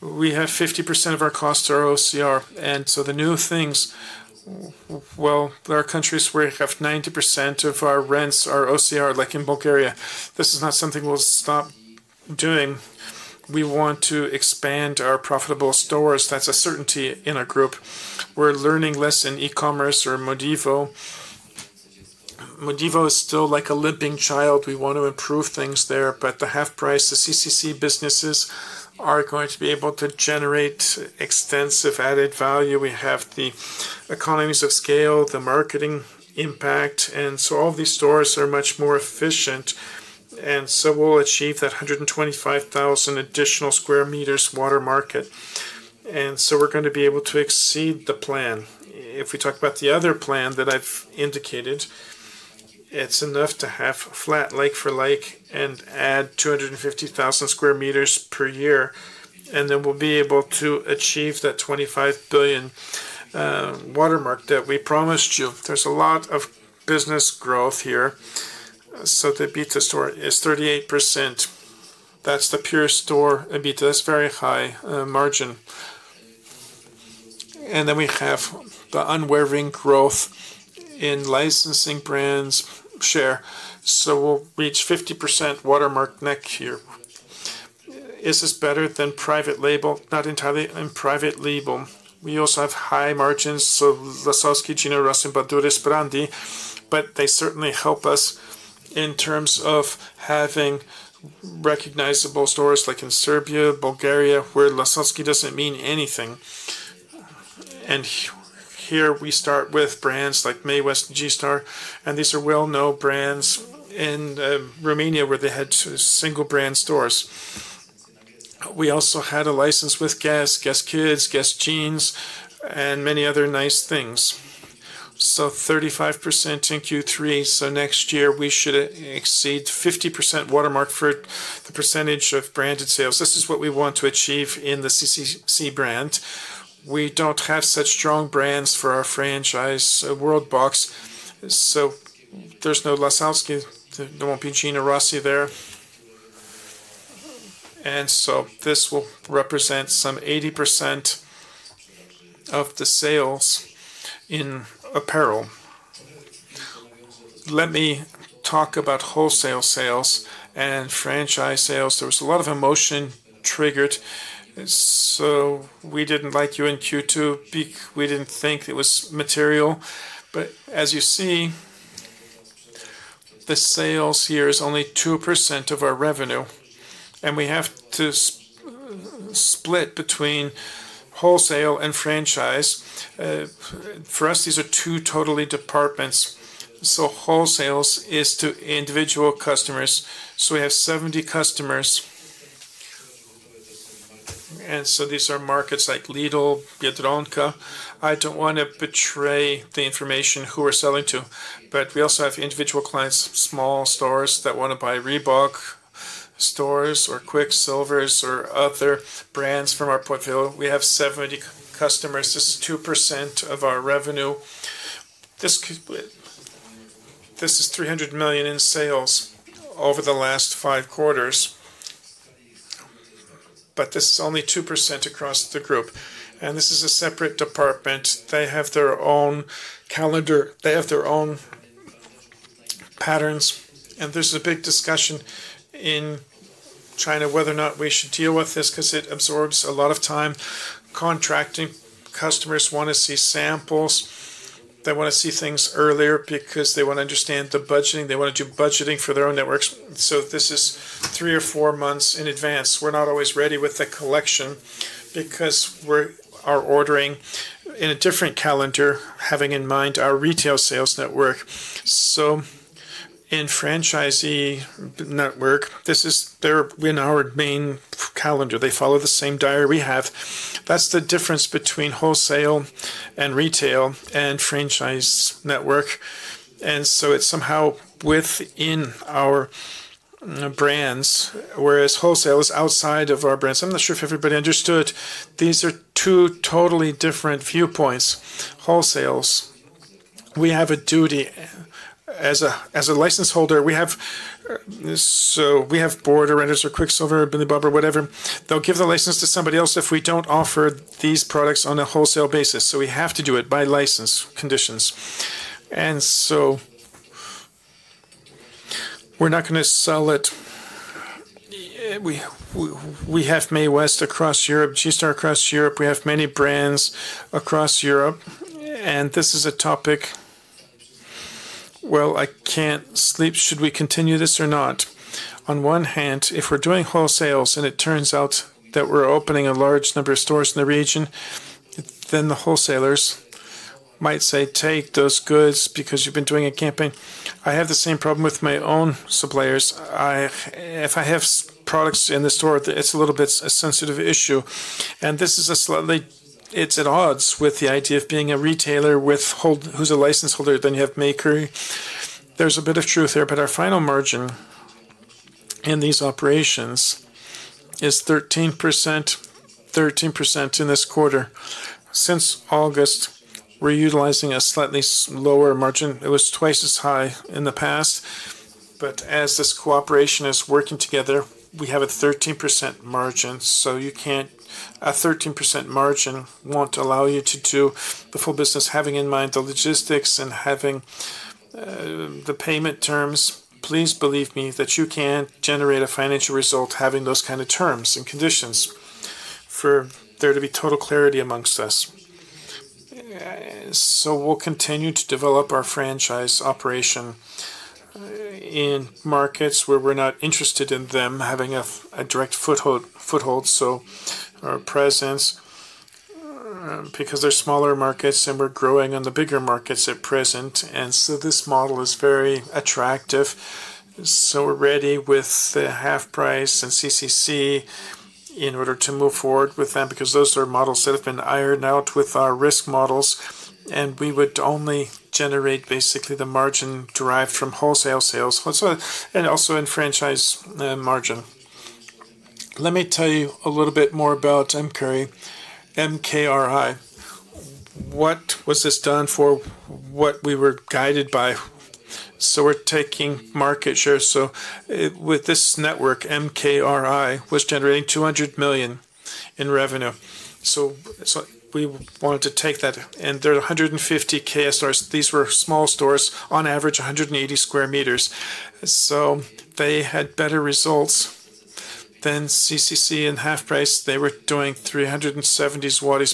We have 50% of our costs are OCR. The new things, there are countries where we have 90% of our rents are OCR, like in Bulgaria. This is not something we will stop doing. We want to expand our profitable stores. That is a certainty in our group. We are learning less in e-commerce or Modivo. Modivo is still like a limping child. We want to improve things there. The Half Price, the CCC businesses are going to be able to generate extensive added value. We have the economies of scale, the marketing impact. All these stores are much more efficient. We'll achieve that 125,000 additional square meters watermark. We're going to be able to exceed the plan. If we talk about the other plan that I've indicated, it's enough to have flat like-for-like and add 250,000 square meters per year. We'll be able to achieve that 25 billion watermark that we promised you. There's a lot of business growth here. The EBITDA store is 38%. That's the pure store EBITDA. That's very high margin. We have the unwavering growth in licensing brands share. We'll reach 50% watermark next year. Is this better than private label? Not entirely. Private label, we also have high margins, so Lasocki, Gino Rossi, Badura, Berandi, but they certainly help us in terms of having recognizable stores like in Serbia, Bulgaria, where Lasocki doesn't mean anything. Here we start with brands like May West and G-STAR. These are well-known brands in Romania where they had single-brand stores. We also had a license with GUESS, GUESS Kids, GUESS Jeans, and many other nice things. 35% in Q3. Next year, we should exceed the 50% watermark for the percentage of branded sales. This is what we want to achieve in the CCC brand. We do not have such strong brands for our franchise, WORLD BOX. There is no Lasowski. There will not be GINA ROSSI there. This will represent some 80% of the sales in apparel. Let me talk about wholesale sales and franchise sales. There was a lot of emotion triggered. We did not like you in Q2. We did not think it was material. As you see, the sales here are only 2% of our revenue. We have to split between wholesale and franchise. For us, these are two totally different departments. Wholesale is to individual customers. We have 70 customers. These are markets like Lidl, Biedronka. I do not want to betray the information who we are selling to. We also have individual clients, small stores that want to buy Reebok, Quiksilver, or other brands from our portfolio. We have 70 customers. This is 2% of our revenue. This is 300 million in sales over the last five quarters. This is only 2% across the group. This is a separate department. They have their own calendar. They have their own patterns. There is a big discussion in China whether or not we should deal with this because it absorbs a lot of time contracting. Customers want to see samples. They want to see things earlier because they want to understand the budgeting. They want to do budgeting for their own networks. This is three or four months in advance. We're not always ready with the collection because we're ordering in a different calendar, having in mind our retail sales network. In franchisee network, this is their main calendar. They follow the same diary we have. That's the difference between wholesale and retail and franchise network. It is somehow within our brands, whereas wholesale is outside of our brands. I'm not sure if everybody understood. These are two totally different viewpoints. Wholesale, we have a duty as a license holder. We have Element or Quiksilver, Billy Bobber, whatever. They'll give the license to somebody else if we don't offer these products on a wholesale basis. We have to do it by license conditions. We're not going to sell it. We have May West across Europe, G-STAR across Europe. We have many brands across Europe. This is a topic, I can't sleep. Should we continue this or not? On one hand, if we're doing wholesales and it turns out that we're opening a large number of stores in the region, then the wholesalers might say, "Take those goods because you've been doing a campaign." I have the same problem with my own suppliers. If I have products in the store, it's a little bit a sensitive issue. This is slightly, it's at odds with the idea of being a retailer who's a license holder. Then you have maker. There's a bit of truth there. Our final margin in these operations is 13%, 13% in this quarter. Since August, we're utilizing a slightly lower margin. It was twice as high in the past. As this cooperation is working together, we have a 13% margin. A 13% margin will not allow you to do the full business, having in mind the logistics and having the payment terms. Please believe me that you can generate a financial result having those kinds of terms and conditions for there to be total clarity amongst us. We will continue to develop our franchise operation in markets where we are not interested in them having a direct foothold, our presence, because they are smaller markets and we are growing on the bigger markets at present. This model is very attractive. We are ready with the Half Price and CCC in order to move forward with them because those are models that have been ironed out with our risk models. We would only generate basically the margin derived from wholesale sales, and also in franchise margin. Let me tell you a little bit more about MKRI. What was this done for? What we were guided by. We are taking market share. With this network, MKRI was generating 200 million in revenue. We wanted to take that. There are 150 KSRs. These were small stores, on average, 180 sq m. They had better results than CCC and Half Price. They were doing 370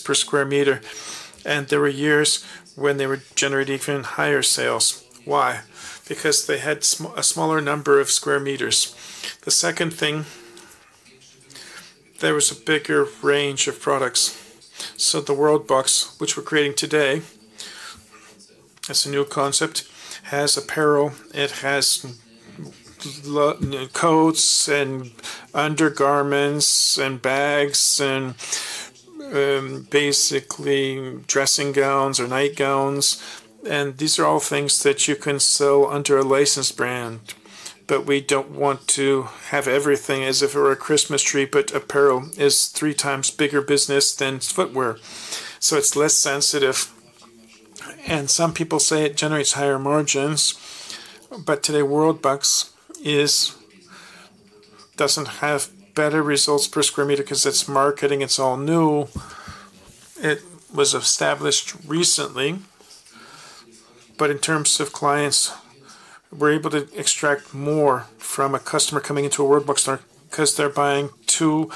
per sq m. There were years when they were generating even higher sales. Why? Because they had a smaller number of square metre. The second thing, there was a bigger range of products. The Worldbox, which we are creating today, it's a new concept, has apparel. It has coats and undergarments and bags and basically dressing gowns or nightgowns. These are all things that you can sell under a licensed brand. We do not want to have everything as if it were a Christmas tree, but apparel is three times bigger business than footwear. It is less sensitive, and some people say it generates higher margins. Today, Worldbox does not have better results per square meter because it is marketing. It is all new. It was established recently. In terms of clients, we are able to extract more from a customer coming into a Worldbox store because they are buying two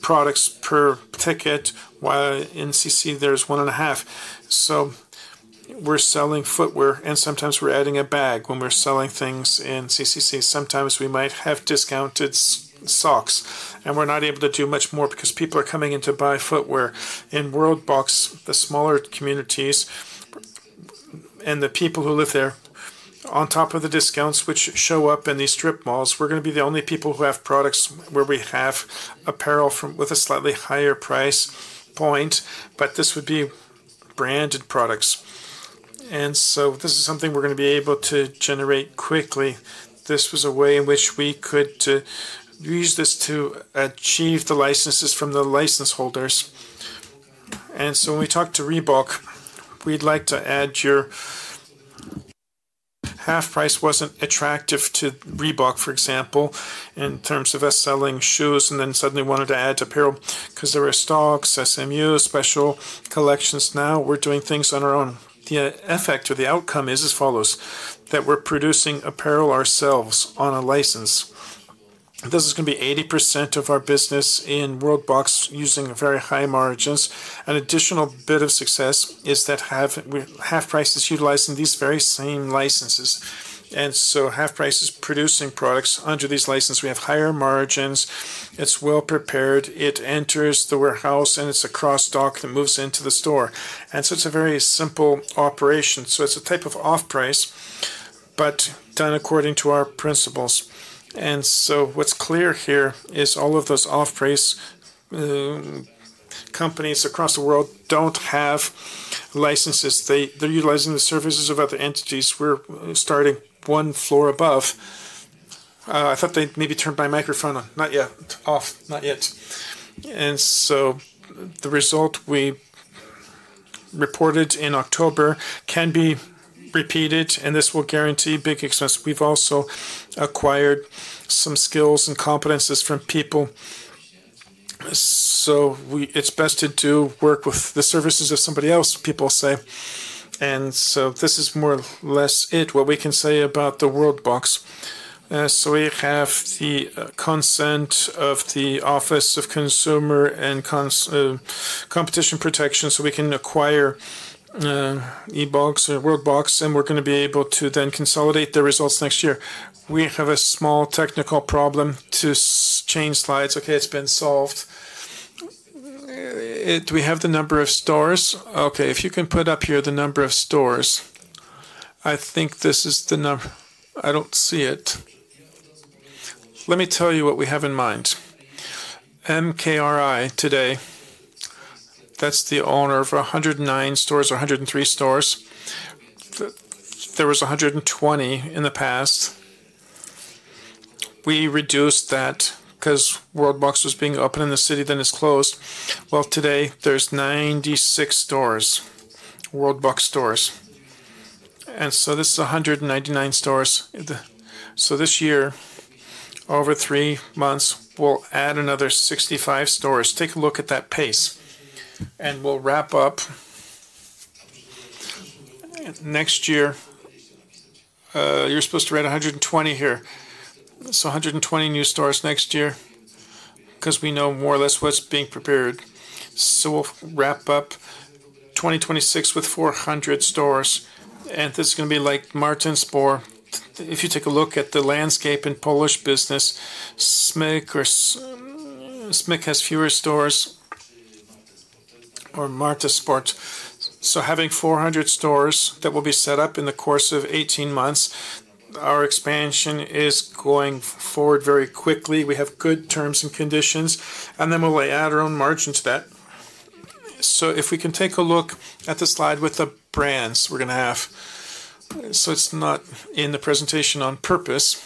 products per ticket, while in CCC, there is one and a half. We are selling footwear, and sometimes we are adding a bag when we are selling things in CCC. Sometimes we might have discounted socks, and we are not able to do much more because people are coming in to buy footwear. In Worldbox, the smaller communities and the people who live there, on top of the discounts which show up in these strip malls, we're going to be the only people who have products where we have apparel with a slightly higher price point. This would be branded products. This is something we're going to be able to generate quickly. This was a way in which we could use this to achieve the licenses from the license holders. When we talk to Reebok, we'd like to add your Half Price wasn't attractive to Reebok, for example, in terms of us selling shoes, and then suddenly wanted to add apparel because there were stocks, SMU, special collections. Now we're doing things on our own. The effect or the outcome is as follows: that we're producing apparel ourselves on a license. This is going to be 80% of our business in Worldbox using very high margins. An additional bit of success is that Half Price is utilizing these very same licenses. Half Price is producing products under these licenses. We have higher margins. It is well prepared. It enters the warehouse, and it is a cross-dock that moves into the store. It is a very simple operation. It is a type of off-price, but done according to our principles. What is clear here is all of those off-price companies across the world do not have licenses. They are utilizing the services of other entities. We are starting one floor above. I thought they had maybe turned my microphone on. Not yet. Off. Not yet. The result we reported in October can be repeated, and this will guarantee big expense. We have also acquired some skills and competencies from people. It's best to do work with the services of somebody else, people say. This is more or less it, what we can say about the Worldbox. We have the consent of the Office of Consumer and Competition Protection, so we can acquire E-Books or Worldbox, and we're going to be able to then consolidate the results next year. We have a small technical problem to change slides. Okay, it's been solved. Do we have the number of stores? Okay, if you can put up here the number of stores. I think this is the number. I don't see it. Let me tell you what we have in mind. MKRI today, that's the owner of 109 stores or 103 stores. There was 120 in the past. We reduced that because Worldbox was being open in the city, then it's closed. Today there's 96 stores, Worldbox stores. This is 199 stores. This year, over three months, we'll add another 65 stores. Take a look at that pace. We'll wrap up next year. You're supposed to write 120 here. 120 new stores next year because we know more or less what's being prepared. We'll wrap up 2026 with 400 stores. This is going to be like Martes Sport. If you take a look at the landscape in Polish business, Smyk has fewer stores or Martes Sport. Having 400 stores that will be set up in the course of 18 months, our expansion is going forward very quickly. We have good terms and conditions, and then we'll add our own margin to that. If we can take a look at the slide with the brands we're going to have. It's not in the presentation on purpose.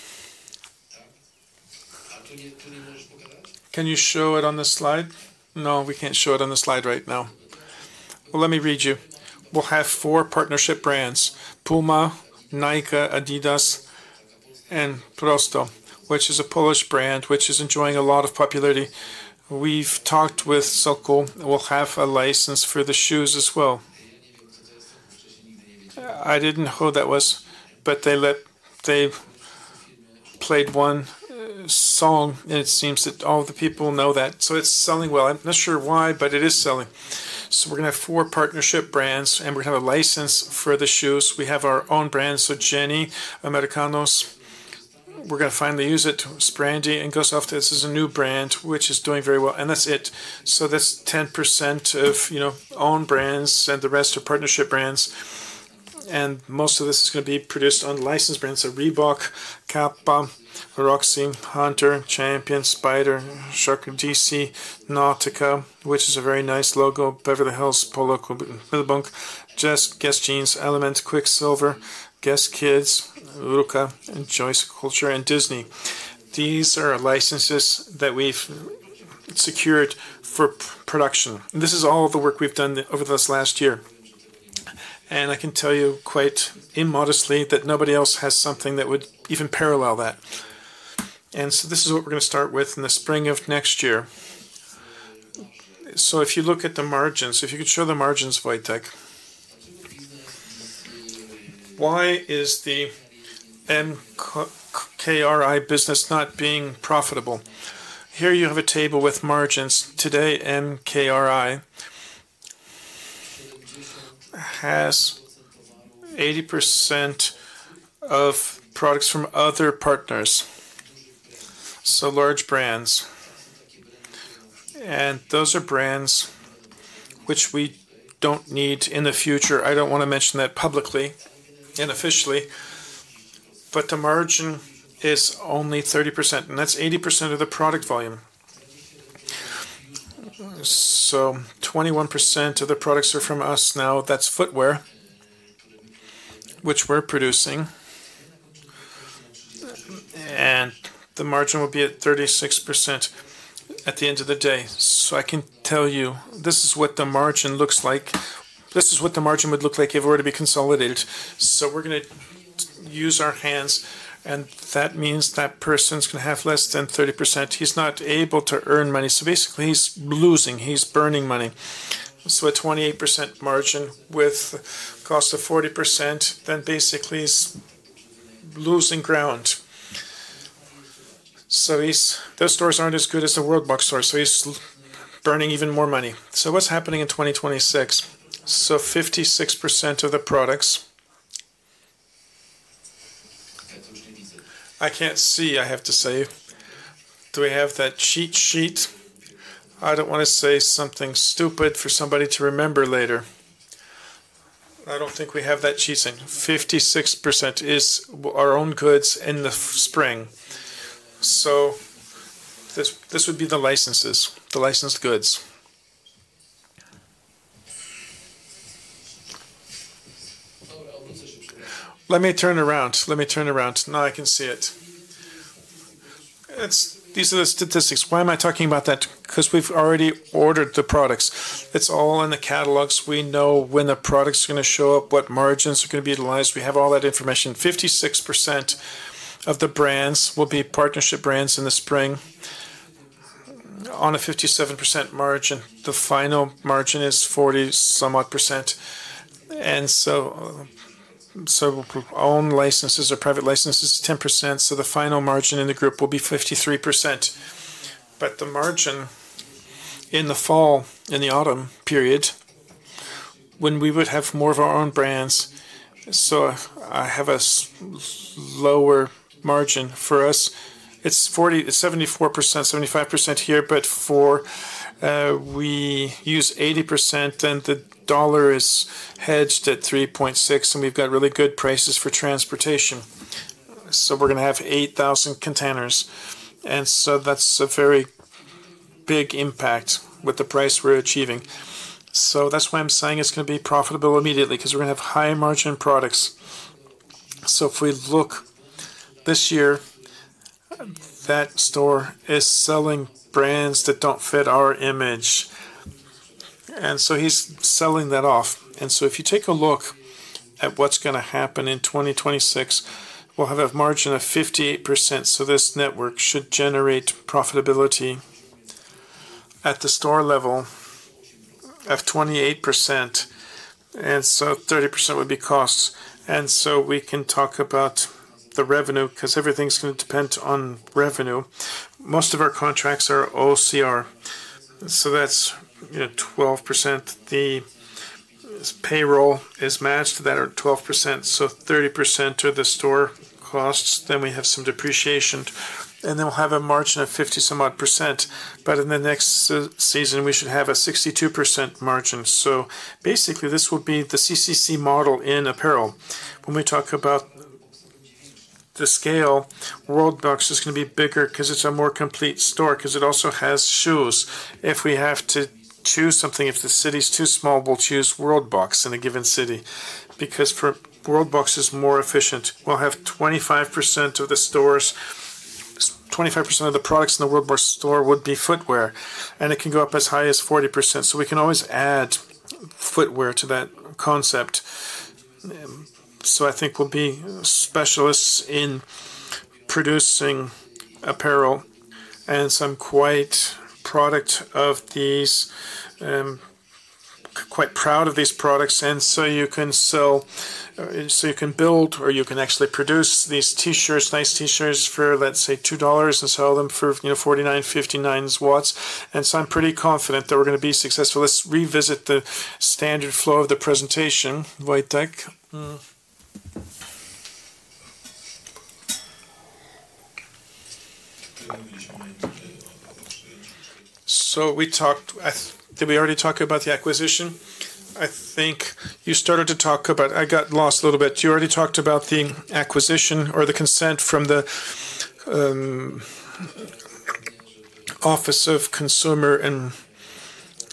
Can you show it on the slide? No, we can't show it on the slide right now. Let me read you. We'll have four partnership brands: Puma, Nike, Adidas, and Prosto, which is a Polish brand which is enjoying a lot of popularity. We've talked with Sokol. We'll have a license for the shoes as well. I didn't know who that was, but they played one song, and it seems that all the people know that. It is selling well. I'm not sure why, but it is selling. We're going to have four partnership brands, and we're going to have a license for the shoes. We have our own brand, so Jenny Americanos. We're going to finally use it. It's Brandy and goes off to this as a new brand, which is doing very well. That's it. That's 10% of own brands and the rest are partnership brands. Most of this is going to be produced on license brands. Reebok, Kappa, Roxy, Hunter, Champion, Spider, Shark, DC, Nautica, which is a very nice logo, Beverly Hills Polo Club, Millbunk, Guess Jeans, Element, Quiksilver, Guess Kids, Lucas, and Joyce Culture and Disney. These are licenses that we've secured for production. This is all the work we've done over this last year. I can tell you quite immodestly that nobody else has something that would even parallel that. This is what we're going to start with in the spring of next year. If you look at the margins, if you could show the margins, Wojtek, why is the MKRI business not being profitable? Here you have a table with margins. Today, MKRI has 80% of products from other partners, so large brands. Those are brands which we do not need in the future. I do not want to mention that publicly and officially, but the margin is only 30%, and that is 80% of the product volume. Twenty-one percent of the products are from us now. That is footwear, which we are producing. The margin will be at 36% at the end of the day. I can tell you this is what the margin looks like. This is what the margin would look like if we were to be consolidated. We are going to use our hands, and that means that person is going to have less than 30%. He is not able to earn money. Basically, he is losing. He is burning money. A 28% margin with a cost of 40%, then basically he is losing ground. Those stores aren't as good as the Worldbox stores. He's burning even more money. What's happening in 2026? 56% of the products. I can't see, I have to say. Do we have that cheat sheet? I don't want to say something stupid for somebody to remember later. I don't think we have that cheat sheet. 56% is our own goods in the spring. This would be the licenses, the licensed goods. Let me turn around. Now I can see it. These are the statistics. Why am I talking about that? We've already ordered the products. It's all in the catalogs. We know when the products are going to show up, what margins are going to be utilized. We have all that information. 56% of the brands will be partnership brands in the spring on a 57% margin. The final margin is 40-somewhat percent. Our own licenses or private licenses is 10%. The final margin in the group will be 53%. The margin in the fall, in the autumn period, when we would have more of our own brands, so I have a lower margin for us. It is 74%-75% here, but for we use 80%, then the dollar is hedged at 3.6, and we have really good prices for transportation. We are going to have 8,000 containers. That is a very big impact with the price we are achieving. That is why I am saying it is going to be profitable immediately because we are going to have high-margin products. If we look this year, that store is selling brands that do not fit our image. He is selling that off. If you take a look at what's going to happen in 2026, we'll have a margin of 58%. This network should generate profitability at the store level of 28%. Thirty percent would be costs. We can talk about the revenue because everything's going to depend on revenue. Most of our contracts are OCR. That's 12%. The payroll is matched to that at 12%. Thirty percent are the store costs. We have some depreciation. We'll have a margin of 50-somewhat percent. In the next season, we should have a 62% margin. Basically, this will be the CCC model in apparel. When we talk about the scale, Worldbox is going to be bigger because it's a more complete store because it also has shoes. If we have to choose something, if the city's too small, we'll choose Worldbox in a given city because Worldbox is more efficient. We'll have 25% of the stores. 25% of the products in the Worldbox store would be footwear, and it can go up as high as 40%. We can always add footwear to that concept. I think we'll be specialists in producing apparel, and I'm quite proud of these products. You can sell, you can build, or you can actually produce these T-shirts, nice T-shirts for, let's say, PLN 2 and sell them for 49.59. I'm pretty confident that we're going to be successful. Let's revisit the standard flow of the presentation, Wojtek. We talked, did we already talk about the acquisition? I think you started to talk about, I got lost a little bit. You already talked about the acquisition or the consent from the Office of Consumer and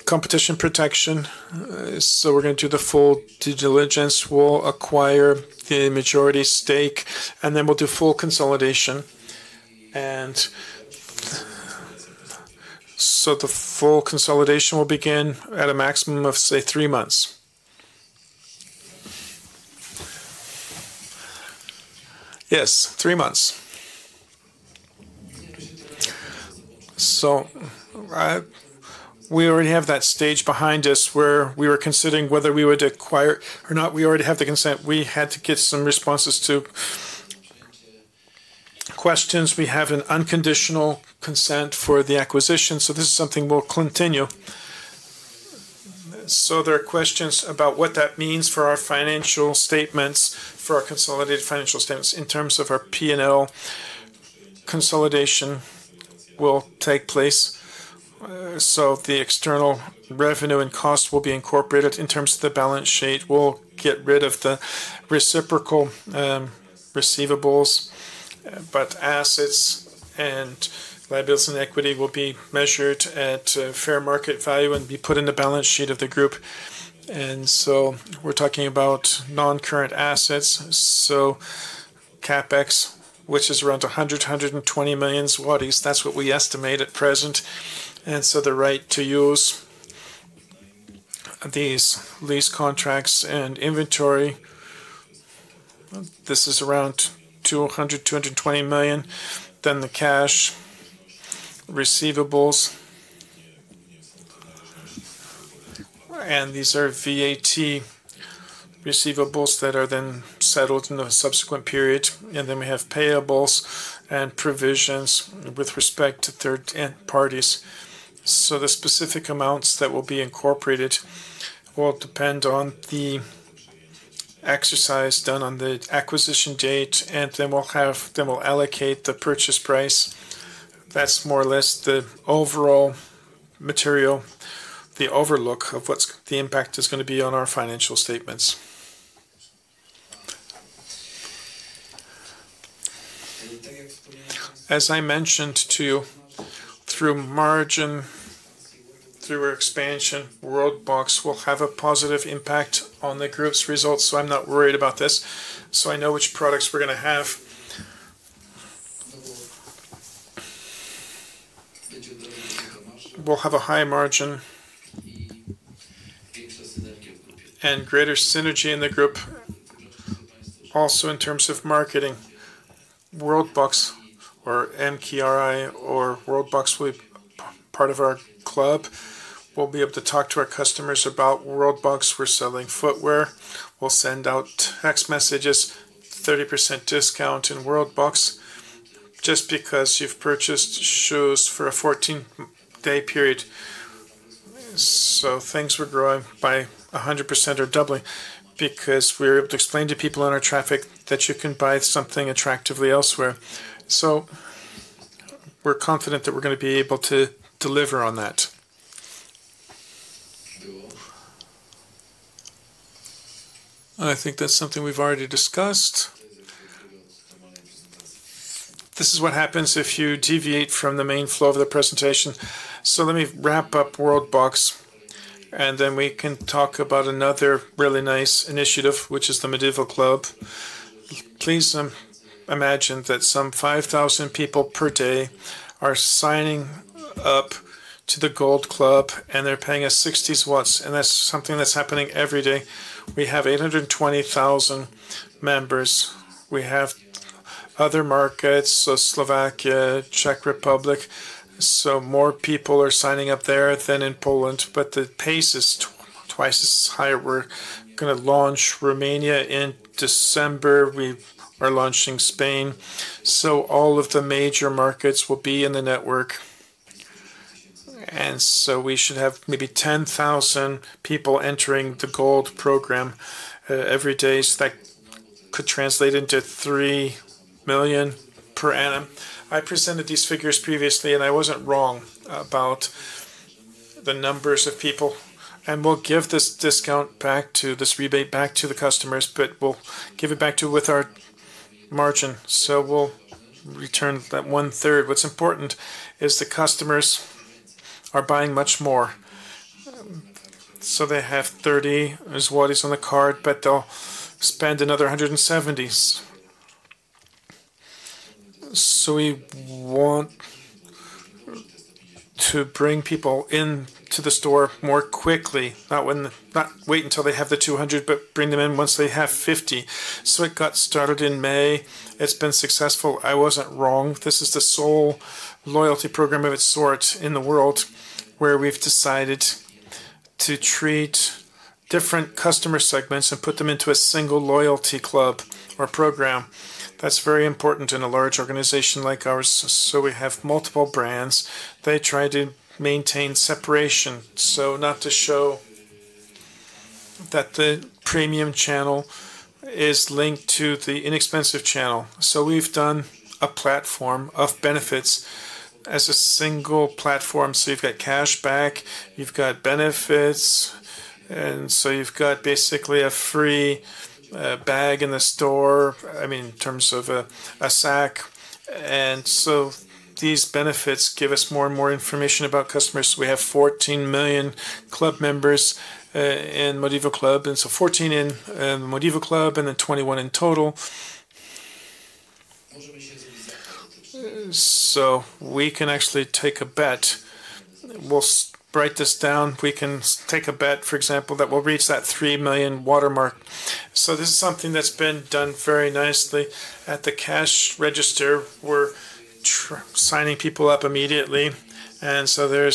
Competition Protection. We're going to do the full due diligence. We'll acquire the majority stake, and then we'll do full consolidation. The full consolidation will begin at a maximum of, say, three months. Yes, three months. We already have that stage behind us where we were considering whether we would acquire or not. We already have the consent. We had to get some responses to questions. We have an unconditional consent for the acquisition. This is something we'll continue. There are questions about what that means for our financial statements, for our consolidated financial statements in terms of our P&L consolidation will take place. The external revenue and cost will be incorporated in terms of the balance sheet. We'll get rid of the reciprocal receivables, but assets and liabilities and equity will be measured at fair market value and be put in the balance sheet of the group. We're talking about non-current assets. CapEx, which is around 100-120 million zlotys, that's what we estimate at present. The right to use these lease contracts and inventory, this is around 200-220 million. The cash receivables, and these are VAT receivables that are then settled in the subsequent period. We have payables and provisions with respect to third parties. The specific amounts that will be incorporated will depend on the exercise done on the acquisition date. We'll allocate the purchase price. That's more or less the overall material, the overlook of what the impact is going to be on our financial statements. As I mentioned to you, through margin, through our expansion, Worldbox will have a positive impact on the group's results. I am not worried about this. I know which products we are going to have. We will have a high margin and greater synergy in the group. Also in terms of marketing, Worldbox or MKRI or Worldbox will be part of our club. We will be able to talk to our customers about Worldbox. We are selling footwear. We will send out text messages, 30% discount in Worldbox just because you have purchased shoes for a 14-day period. Things were growing by 100% or doubling because we were able to explain to people on our traffic that you can buy something attractively elsewhere. We are confident that we are going to be able to deliver on that. I think that is something we have already discussed. This is what happens if you deviate from the main flow of the presentation. Let me wrap up Worldbox, and then we can talk about another really nice initiative, which is the Modivo Club. Please imagine that some 5,000 people per day are signing up to the Gold Club, and they're paying us 60. That is something that is happening every day. We have 820,000 members. We have other markets, Slovakia, Czech Republic. More people are signing up there than in Poland, but the pace is twice as high. We are going to launch Romania in December. We are launching Spain. All of the major markets will be in the network. We should have maybe 10,000 people entering the Gold program every day. That could translate into 3 million per annum. I presented these figures previously, and I was not wrong about the numbers of people. We will give this discount back, this rebate back to the customers, but we will give it back with our margin. We will return that one-third. What is important is the customers are buying much more. They have 30 as what is on the card, but they will spend another 170. We want to bring people into the store more quickly, not wait until they have 200, but bring them in once they have 50. It got started in May. It has been successful. I was not wrong. This is the sole loyalty program of its sort in the world where we have decided to treat different customer segments and put them into a single loyalty club or program. That is very important in a large organization like ours. We have multiple brands. They try to maintain separation, so not to show that the premium channel is linked to the inexpensive channel. We've done a platform of benefits as a single platform. You've got cash back, you've got benefits, and you've got basically a free bag in the store, I mean, in terms of a sack. These benefits give us more and more information about customers. We have 14 million club members in Modivo Club. Fourteen in Modivo Club and then 21 in total. We can actually take a bet. We'll write this down. We can take a bet, for example, that we'll reach that 3 million watermark. This is something that's been done very nicely at the cash register. We're signing people up immediately. There's a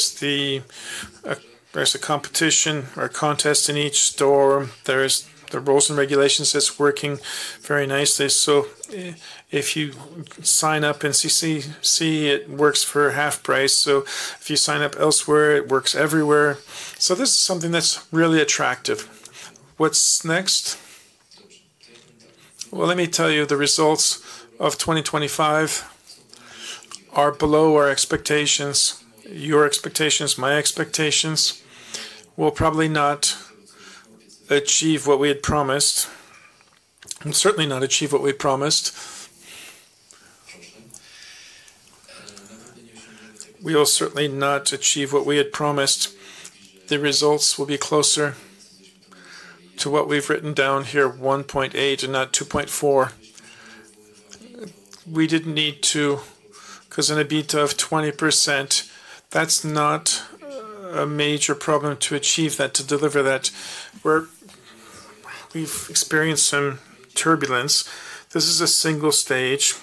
competition or contest in each store. There are the rules and regulations that's working very nicely. If you sign up in CCC, it works for Half Price. If you sign up elsewhere, it works everywhere. This is something that's really attractive. What's next? Let me tell you the results of 2025 are below our expectations, your expectations, my expectations. We'll probably not achieve what we had promised. We'll certainly not achieve what we promised. We will certainly not achieve what we had promised. The results will be closer to what we've written down here, 1.8 billion and not 2.4 billion. We didn't need to because in an EBITDA of 20%, that's not a major problem to achieve that, to deliver that. We've experienced some turbulence. This is a single stage.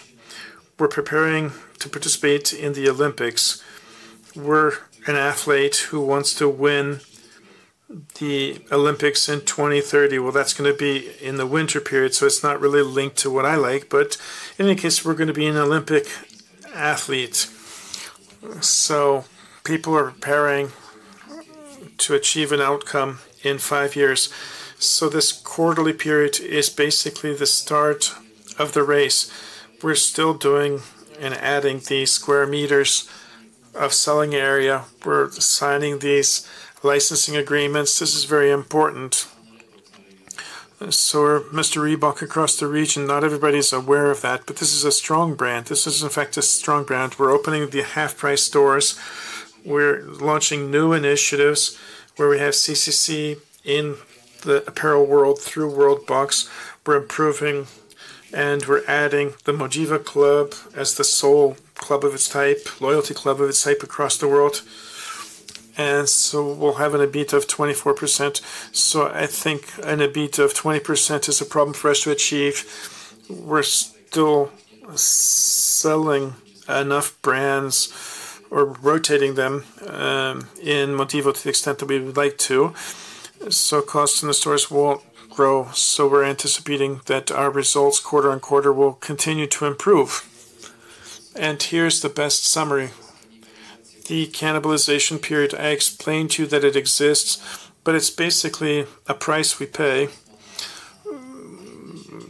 We're preparing to participate in the Olympics. We're an athlete who wants to win the Olympics in 2030. That's going to be in the winter period. It is not really linked to what I like, but in any case, we are going to be an Olympic athlete. People are preparing to achieve an outcome in five years. This quarterly period is basically the start of the race. We are still doing and adding the square meters of selling area. We are signing these licensing agreements. This is very important. Mr. Reebok across the region, not everybody is aware of that, but this is a strong brand. This is, in fact, a strong brand. We are opening the Half Price stores. We are launching new initiatives where we have CCC in the apparel world through Worldbox. We are improving, and we are adding the Modivo Club as the sole club of its type, loyalty club of its type across the world. We will have an EBITDA of 24%. I think an EBITDA of 20% is a problem for us to achieve. We're still selling enough brands or rotating them in Modivo to the extent that we would like to. Costs in the stores will grow. We're anticipating that our results quarter on quarter will continue to improve. Here's the best summary. The cannibalization period, I explained to you that it exists, but it's basically a price we pay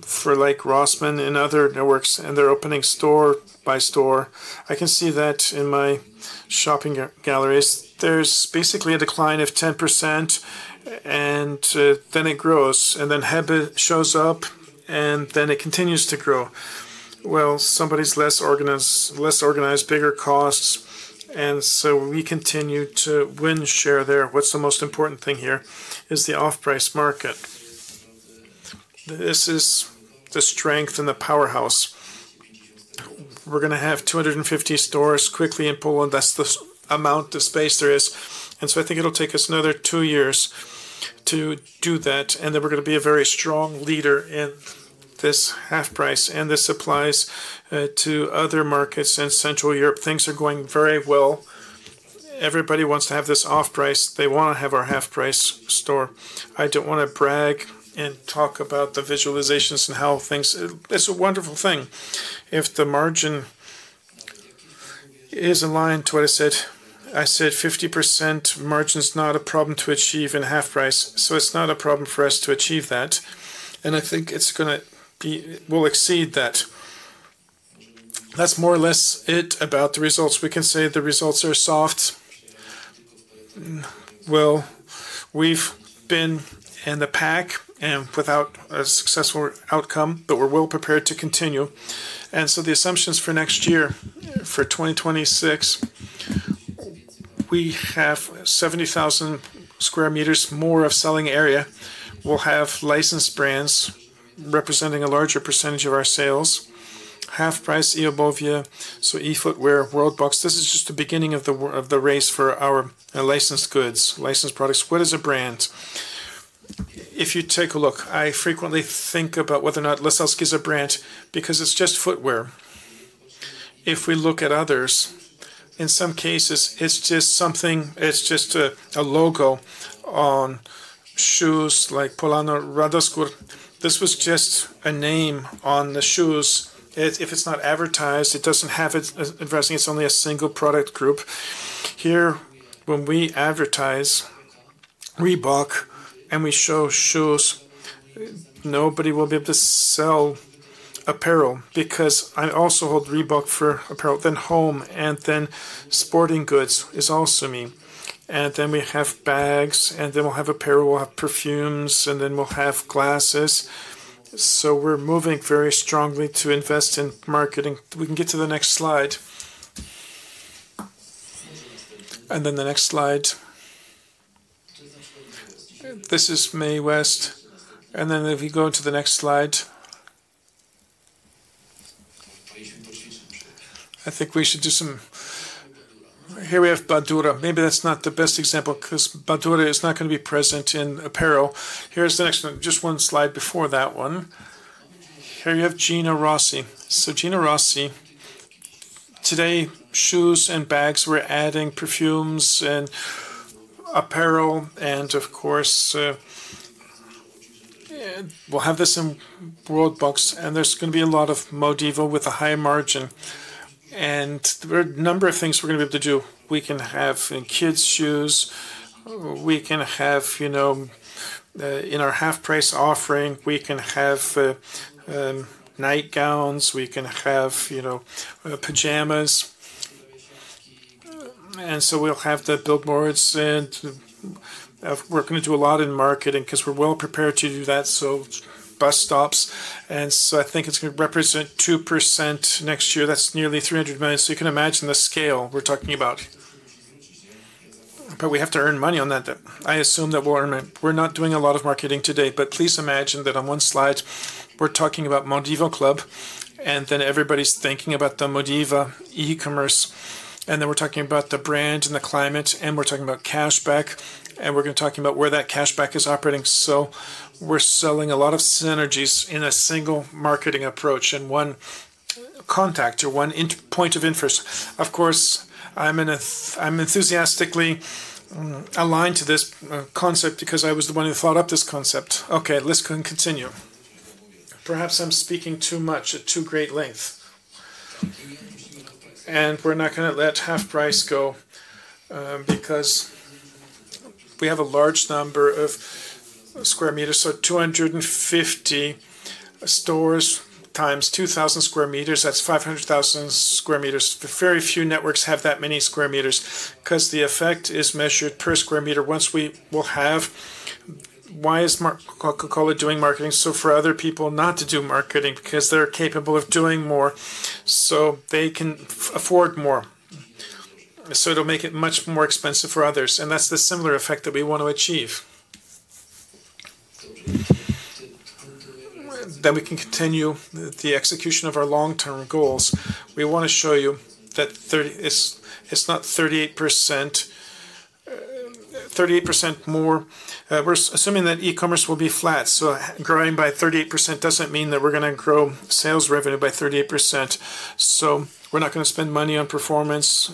for, like, Rossmann and other networks, and they're opening store by store. I can see that in my shopping galleries. There's basically a decline of 10%, and then it grows, and then Hebet shows up, and then it continues to grow. Somebody's less organized, less organized, bigger costs. We continue to win share there. What's the most important thing here is the off-price market. This is the strength and the powerhouse. We're going to have 250 stores quickly in Poland. That's the amount of space there is. I think it'll take us another two years to do that. Then we're going to be a very strong leader in this Half Price, and this applies to other markets in Central Europe. Things are going very well. Everybody wants to have this off-price. They want to have our Half Price store. I don't want to brag and talk about the visualizations and how things—it's a wonderful thing. If the margin is aligned to what I said, I said 50% margin is not a problem to achieve in Half Price. It's not a problem for us to achieve that. I think it's going to be—we'll exceed that. That's more or less it about the results. You can say the results are soft. We've been in the pack and without a successful outcome, but we're well prepared to continue. The assumptions for next year, for 2026, we have 70,000 sq m more of selling area. We will have licensed brands representing a larger % of our sales, Half Price, e-footwear, Worldbox. This is just the beginning of the race for our licensed goods, licensed products. What is a brand? If you take a look, I frequently think about whether or not Leselski is a brand because it is just footwear. If we look at others, in some cases, it is just something—it is just a logo on shoes like Polano Radoskur. This was just a name on the shoes. If it is not advertised, it does not have advertising. It is only a single product group. Here, when we advertise Reebok and we show shoes, nobody will be able to sell apparel because I also hold Reebok for apparel, then home, and then sporting goods is also me. We have bags, and then we'll have apparel, we'll have perfumes, and then we'll have glasses. We are moving very strongly to invest in marketing. We can get to the next slide. The next slide. This is May West. If we go to the next slide, I think we should do some—here we have Badura. Maybe that's not the best example because Badura is not going to be present in apparel. Here's the next one. Just one slide before that one. Here you have Gina Rossi. Gina Rossi, today, shoes and bags. We are adding perfumes and apparel. Of course, we'll have this in Worldbox, and there's going to be a lot of Modivo with a high margin. There are a number of things we're going to be able to do. We can have kids' shoes. We can have in our Half Price offering. We can have nightgowns. We can have pajamas. We will have the billboards. We are going to do a lot in marketing because we are well prepared to do that. Bus stops. I think it is going to represent 2% next year. That is nearly 300 million. You can imagine the scale we are talking about. We have to earn money on that. I assume that we will earn it. We are not doing a lot of marketing today, but please imagine that on one slide, we are talking about Modivo Club, and then everybody is thinking about the Modivo e-commerce. Then we are talking about the brand and the climate, and we are talking about cash back, and we are going to talk about where that cash back is operating. We're selling a lot of synergies in a single marketing approach and one contact or one point of interest. Of course, I'm enthusiastically aligned to this concept because I was the one who thought up this concept. Okay, let's continue. Perhaps I'm speaking too much at too great lengths. We're not going to let Half Price go because we have a large number of square meters. Two hundred fifty stores times 2,000 square meters, that's 500,000 square meters. Very few networks have that many square meters because the effect is measured per square meter. Once we will have—why is Coca-Cola doing marketing? For other people not to do marketing because they're capable of doing more, so they can afford more. It will make it much more expensive for others. That's the similar effect that we want to achieve. We can continue the execution of our long-term goals. We want to show you that it's not 38% more. We're assuming that e-commerce will be flat. Growing by 38% doesn't mean that we're going to grow sales revenue by 38%. We're not going to spend money on performance.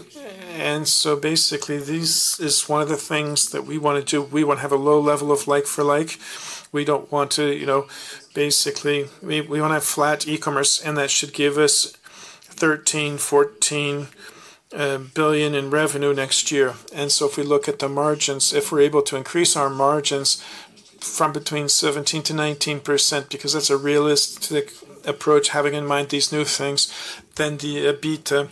Basically, this is one of the things that we want to do. We want to have a low level of like-for-like. We don't want to basically—we want to have flat e-commerce, and that should give us 13 billion-14 billion in revenue next year. If we look at the margins, if we're able to increase our margins from between 17%-19%, because that's a realistic approach, having in mind these new things, then the EBITDA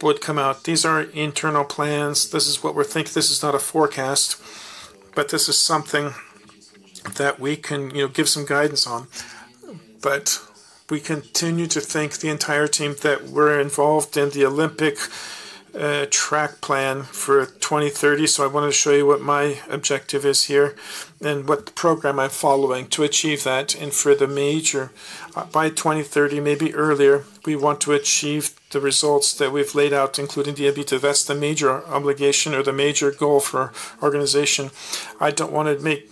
would come out. These are internal plans. This is what we're thinking. This is not a forecast, but this is something that we can give some guidance on. We continue to thank the entire team that were involved in the Olympic track plan for 2030. I wanted to show you what my objective is here and what program I'm following to achieve that. For the major, by 2030, maybe earlier, we want to achieve the results that we've laid out, including the EBITDA. That's the major obligation or the major goal for our organization. I don't want to make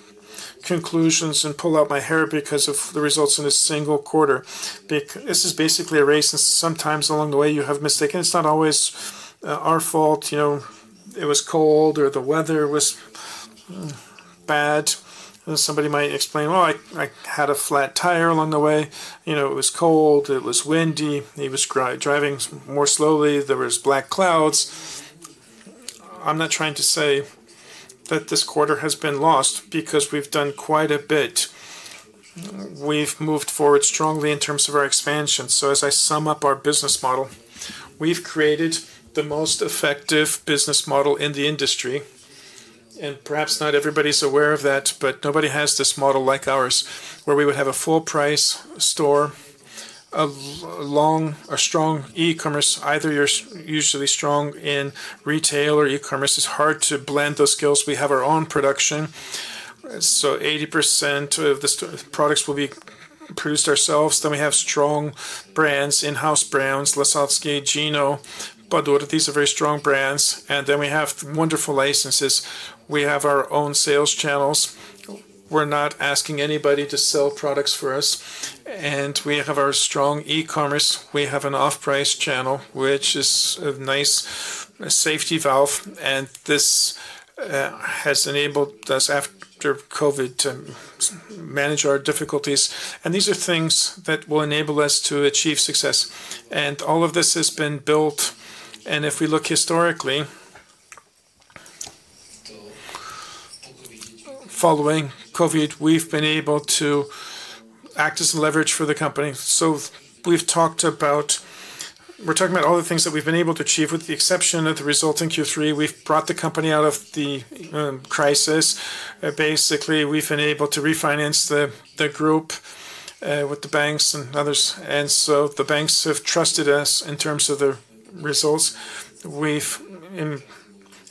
conclusions and pull out my hair because of the results in a single quarter. This is basically a race. Sometimes along the way, you have mistakes. It's not always our fault. It was cold or the weather was bad. Somebody might explain, "Well, I had a flat tire along the way. It was cold. It was windy. He was driving more slowly. There were black clouds. I'm not trying to say that this quarter has been lost because we've done quite a bit. We've moved forward strongly in terms of our expansion. As I sum up our business model, we've created the most effective business model in the industry. Perhaps not everybody's aware of that, but nobody has this model like ours, where we would have a full-price store, a strong e-commerce. Either you're usually strong in retail or e-commerce. It's hard to blend those skills. We have our own production. 80% of the products will be produced ourselves. Then we have strong brands, in-house brands, Lasocki, Gino Rossi, Badura. These are very strong brands. We have wonderful licenses. We have our own sales channels. We're not asking anybody to sell products for us. We have our strong e-commerce. We have an off-price channel, which is a nice safety valve. This has enabled us after COVID to manage our difficulties. These are things that will enable us to achieve success. All of this has been built. If we look historically, following COVID, we have been able to act as a leverage for the company. We have talked about—we are talking about all the things that we have been able to achieve with the exception of the resulting Q3. We have brought the company out of the crisis. Basically, we have been able to refinance the group with the banks and others. The banks have trusted us in terms of the results. We have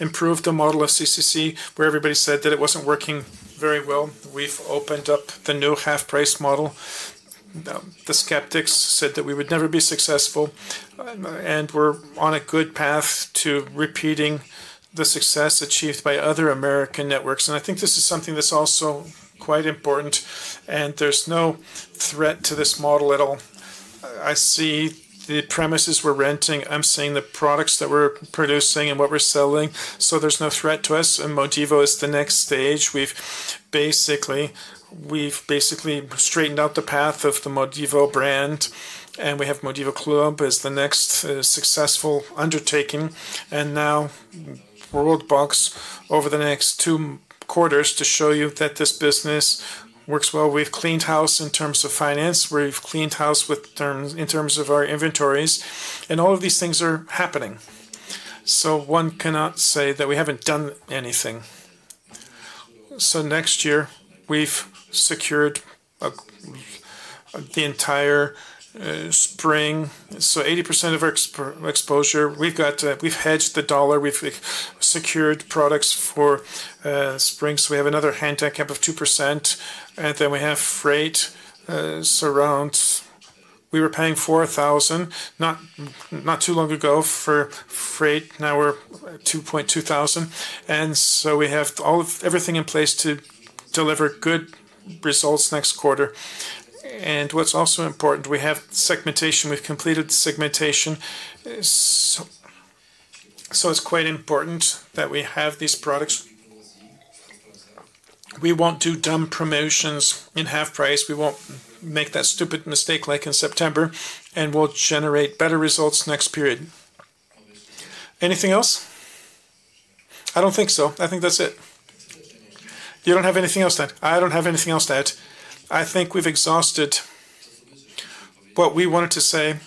improved the model of CCC where everybody said that it was not working very well. We have opened up the new Half Price model. The skeptics said that we would never be successful. We're on a good path to repeating the success achieved by other American networks. I think this is something that's also quite important. There's no threat to this model at all. I see the premises we're renting. I'm seeing the products that we're producing and what we're selling. There's no threat to us. Modivo is the next stage. We've basically straightened out the path of the Modivo brand. We have Modivo Club as the next successful undertaking. Now Worldbox over the next two quarters to show you that this business works well. We've cleaned house in terms of finance. We've cleaned house in terms of our inventories. All of these things are happening. One cannot say that we haven't done anything. Next year, we've secured the entire spring. 80% of our exposure, we've hedged the dollar. We've secured products for spring. We have another handicap of 2%. We have freight surrounds. We were paying 4,000 not too long ago for freight. Now we're 2,000. We have everything in place to deliver good results next quarter. What's also important, we have segmentation. We've completed segmentation. It's quite important that we have these products. We won't do dumb promotions in Half Price. We won't make that stupid mistake like in September. We'll generate better results next period. Anything else? I don't think so. I think that's it. You don't have anything else to add? I don't have anything else to add. I think we've exhausted what we wanted to say.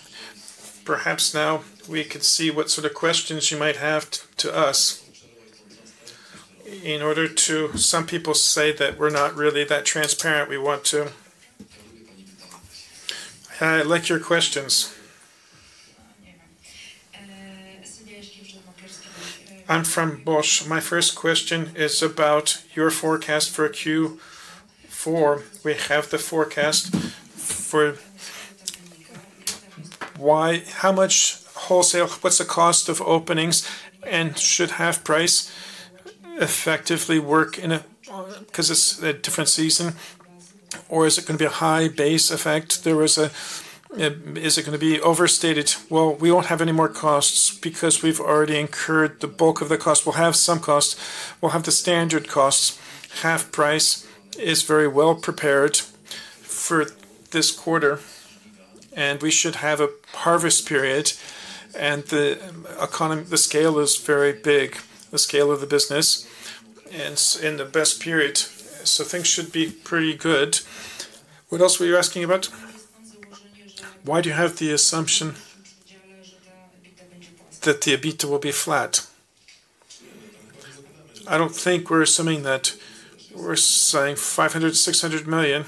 Perhaps now we could see what sort of questions you might have to us in order to—some people say that we're not really that transparent. We want to—I like your questions. I'm from Bosch. My first question is about your forecast for Q4. We have the forecast for how much wholesale, what's the cost of openings, and should Half Price effectively work in a—because it's a different season, or is it going to be a high base effect? Is it going to be overstated? We won't have any more costs because we've already incurred the bulk of the cost. We'll have some costs. We'll have the standard costs. Half Price is very well prepared for this quarter, and we should have a harvest period. The scale is very big, the scale of the business, and in the best period. Things should be pretty good. What else were you asking about? Why do you have the assumption that the EBITDA will be flat? I don't think we're assuming that. We're saying 500 million-600 million.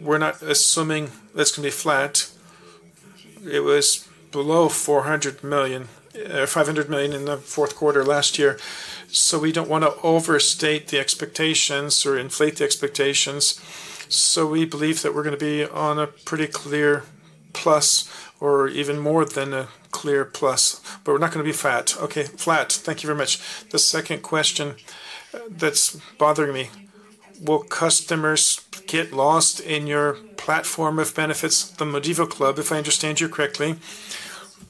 We're not assuming that's going to be flat. It was below 500 million in the fourth quarter last year. We do not want to overstate the expectations or inflate the expectations. We believe that we're going to be on a pretty clear plus or even more than a clear plus. We're not going to be flat. Thank you very much. The second question that's bothering me. Will customers get lost in your platform of benefits, the Modivo Club, if I understand you correctly?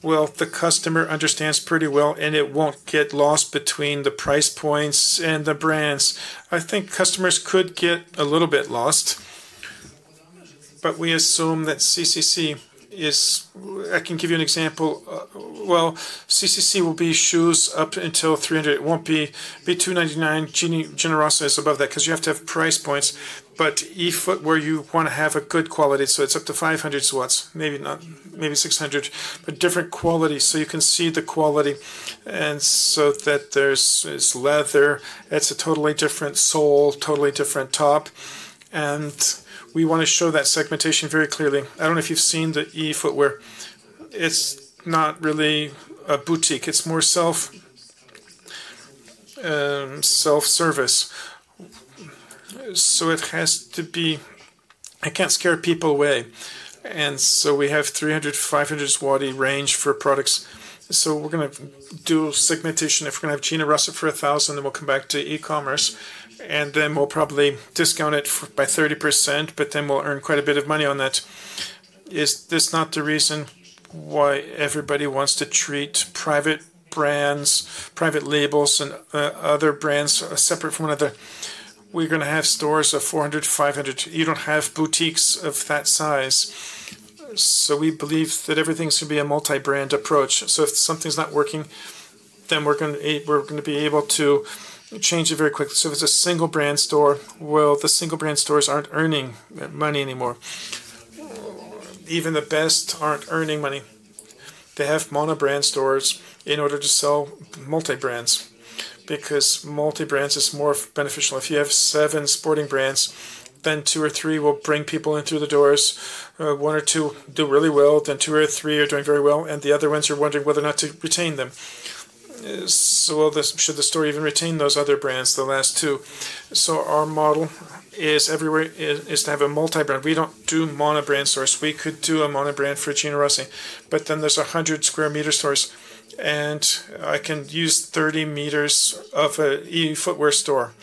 The customer understands pretty well, and it will not get lost between the price points and the brands. I think customers could get a little bit lost, but we assume that CCC is—I can give you an example. CCC will be shoes up until 300. It will not be 299. Generosity is above that because you have to have price points, but eFoot where you want to have a good quality. It is up to 500, maybe 600, but different quality so you can see the quality. There is leather. It is a totally different sole, totally different top. We want to show that segmentation very clearly. I do not know if you have seen the eFootwear. It is not really a boutique. It is more self-service. It has to be—I cannot scare people away. We have 300-500 range for products. We are going to do segmentation. If we are going to have Generosity for 1,000, then we will come back to e-commerce. We will probably discount it by 30%, but then we will earn quite a bit of money on that. Is this not the reason why everybody wants to treat private brands, private labels, and other brands separate from one another? We're going to have stores of 400, 500. You don't have boutiques of that size. We believe that everything should be a multi-brand approach. If something's not working, then we're going to be able to change it very quickly. If it's a single brand store, the single brand stores aren't earning money anymore. Even the best aren't earning money. They have monobrand stores in order to sell multi-brands because multi-brands is more beneficial. If you have seven sporting brands, then two or three will bring people into the doors. One or two do really well, then two or three are doing very well, and the other ones are wondering whether or not to retain them. Should the store even retain those other brands, the last two? Our model is to have a multi-brand. We do not do monobrand stores. We could do a monobrand for Generosity, but then there are 100 sq m stores, and I can use 30 sq m of an eFootwear store.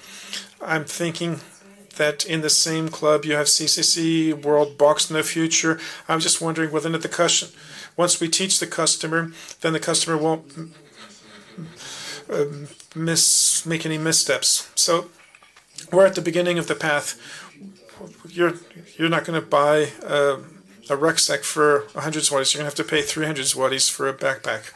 I am thinking that in the same club, you have CCC, Worldbox in the future. I am just wondering whether or not once we teach the customer, then the customer will not make any missteps. We are at the beginning of the path. You are not going to buy a rucksack for 100 zlotys. You are going to have to pay 300 zlotys for a backpack.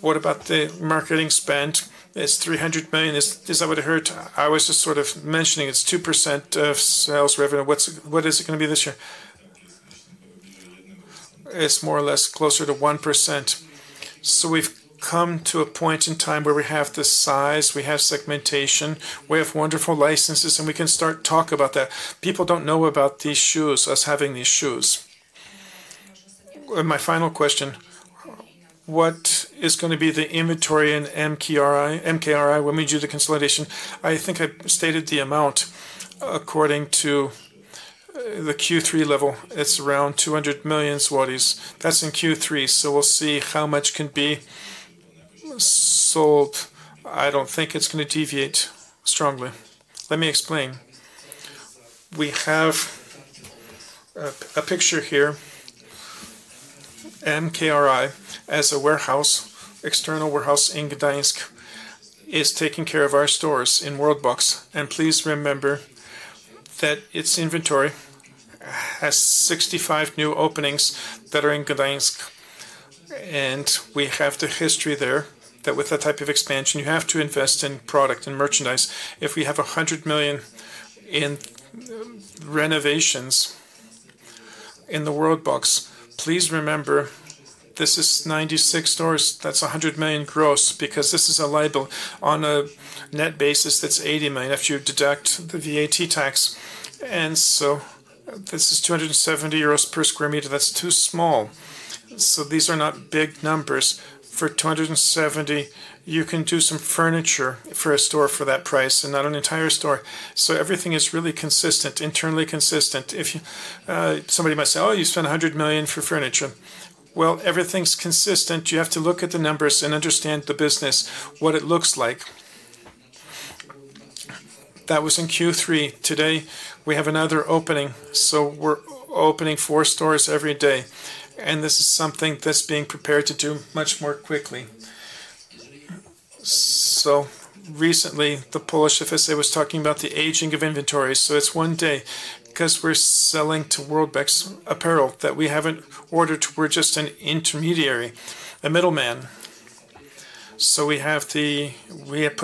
What about the marketing spend? It is 300 million. Is that what I heard? I was just mentioning it is 2% of sales revenue. What is it going to be this year? It is more or less closer to 1%. We have come to a point in time where we have the size, we have segmentation, we have wonderful licenses, and we can start talking about that. People do not know about these shoes, us having these shoes. My final question. What is going to be the inventory in MKRI when we do the consolidation? I think I stated the amount according to the Q3 level. It is around 200 million. That is in Q3. We will see how much can be sold. I do not think it is going to deviate strongly. Let me explain. We have a picture here. MKRI, as a warehouse, external warehouse in Gdańsk, is taking care of our stores in Worldbox. Please remember that its inventory has sixty-five new openings that are in Gdańsk. We have the history there that with that type of expansion, you have to invest in product and merchandise. If we have 100 million in renovations in the Worldbox, please remember this is 96 stores. That's 100 million gross because this is a label. On a net basis, that's 80 million after you deduct the VAT tax. And so this is 270 euros per square meter. That's too small. These are not big numbers. For 270, you can do some furniture for a store for that price and not an entire store. Everything is really consistent, internally consistent. Somebody might say, "Oh, you spent 100 million for furniture." Everything's consistent. You have to look at the numbers and understand the business, what it looks like. That was in Q3. Today, we have another opening. We're opening four stores every day. This is something that's being prepared to do much more quickly. Recently, the Polish FSA was talking about the aging of inventory. It's one day because we're selling to Worldbox apparel that we haven't ordered. We're just an intermediary, a middleman. We have put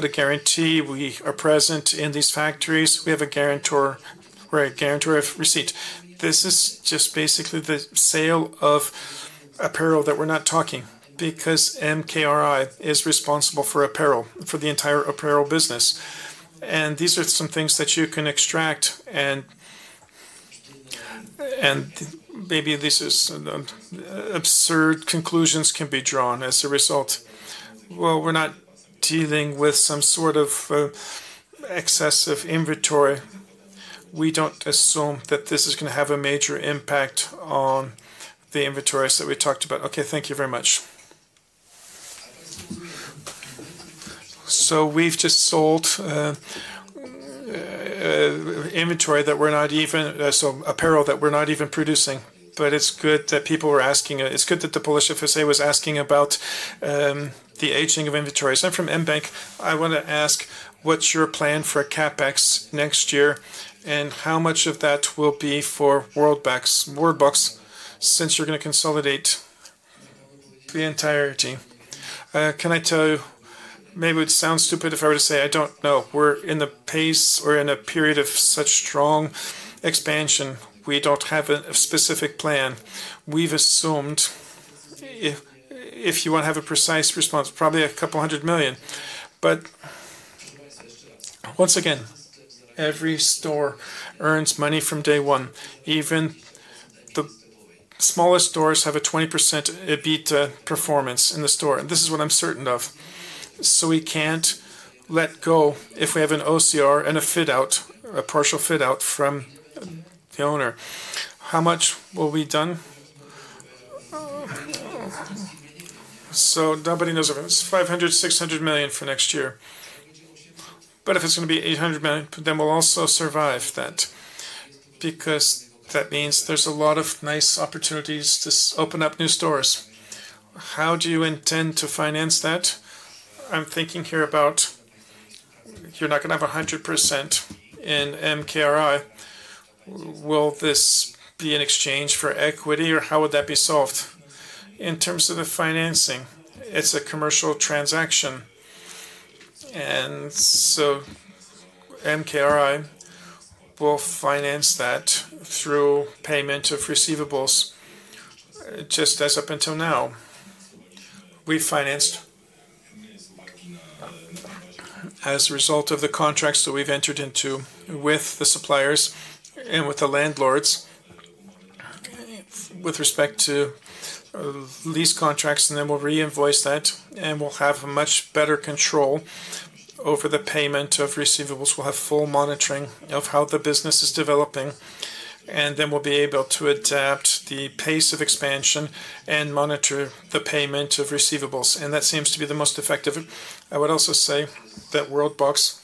a guarantee. We are present in these factories. We have a guarantor receipt. This is just basically the sale of apparel that we're not talking because MKRI is responsible for apparel, for the entire apparel business. These are some things that you can extract. Maybe these absurd conclusions can be drawn as a result. We're not dealing with some sort of excessive inventory. We don't assume that this is going to have a major impact on the inventories that we talked about. Okay, thank you very much. We've just sold inventory that we're not even, so apparel that we're not even producing. It's good that people were asking. It's good that the Polish FSA was asking about the aging of inventory. I'm from mBank. I want to ask, what's your plan for CapEx next year and how much of that will be for Worldbox since you're going to consolidate the entirety? Can I tell you? Maybe it would sound stupid if I were to say, "I don't know." We're in the pace or in a period of such strong expansion. We don't have a specific plan. We've assumed, if you want to have a precise response, probably a couple hundred million. Once again, every store earns money from day one. Even the smallest stores have a 20% EBITDA performance in the store. This is what I'm certain of. We can't let go if we have an OCR and a partial fit-out from the owner. How much will be done? Nobody knows about it. It's 500 million-600 million for next year. If it's going to be 800 million, we'll also survive that because that means there's a lot of nice opportunities to open up new stores. How do you intend to finance that? I'm thinking here about you're not going to have 100% in MKRI. Will this be in exchange for equity, or how would that be solved? In terms of the financing, it's a commercial transaction. MKRI will finance that through payment of receivables, just as up until now. We financed as a result of the contracts that we've entered into with the suppliers and with the landlords with respect to lease contracts. We'll reinvoice that, and we'll have much better control over the payment of receivables. We'll have full monitoring of how the business is developing, and we'll be able to adapt the pace of expansion and monitor the payment of receivables. That seems to be the most effective. I would also say that Worldbox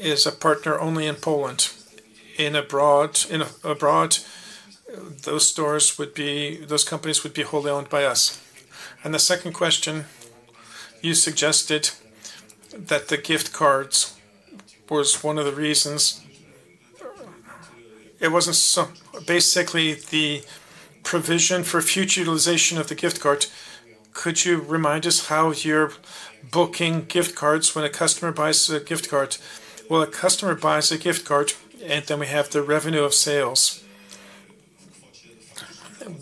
is a partner only in Poland. Abroad, those companies would be wholly owned by us. The second question, you suggested that the gift cards was one of the reasons. It was not basically the provision for future utilization of the gift card. Could you remind us how you are booking gift cards when a customer buys a gift card? A customer buys a gift card, and then we have the revenue of sales,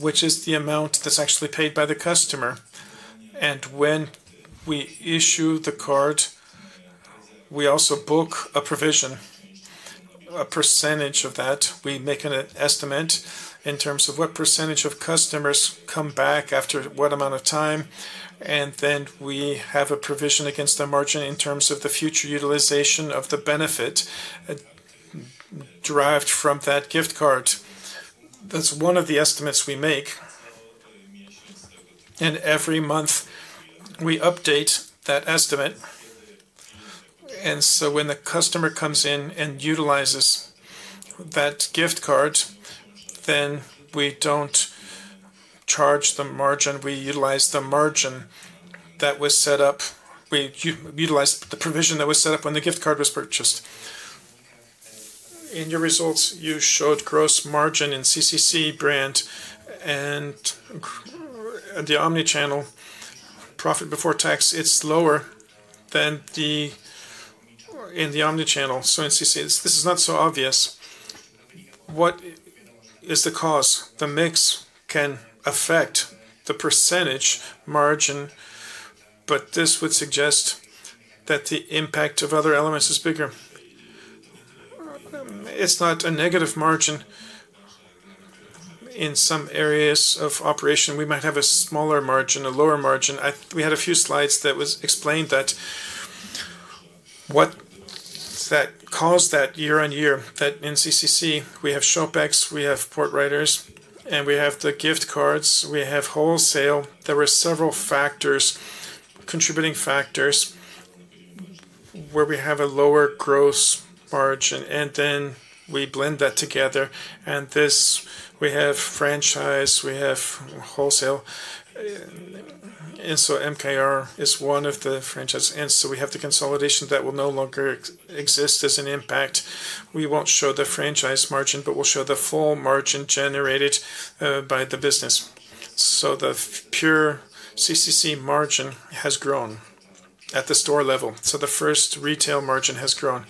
which is the amount that is actually paid by the customer. When we issue the card, we also book a provision, a percentage of that. We make an estimate in terms of what percentage of customers come back after what amount of time, and then we have a provision against the margin in terms of the future utilization of the benefit derived from that gift card. That is one of the estimates we make. Every month, we update that estimate. When the customer comes in and utilizes that gift card, we do not charge the margin. We utilize the margin that was set up. We utilize the provision that was set up when the gift card was purchased. In your results, you showed gross margin in CCC brand and the omnichannel profit before tax. It is lower than in the omnichannel. In CCC, this is not so obvious. What is the cause? The mix can affect the percentage margin, but this would suggest that the impact of other elements is bigger. It's not a negative margin in some areas of operation. We might have a smaller margin, a lower margin. We had a few slides that explained that. What caused that year on year? That in CCC, we have showbacks, we have Footriders, and we have the gift cards. We have wholesale. There were several contributing factors where we have a lower gross margin. Then we blend that together. We have franchise, we have wholesale. MKR is one of the franchises. We have the consolidation that will no longer exist as an impact. We will not show the franchise margin, but we will show the full margin generated by the business. The pure CCC margin has grown at the store level. The first retail margin has grown.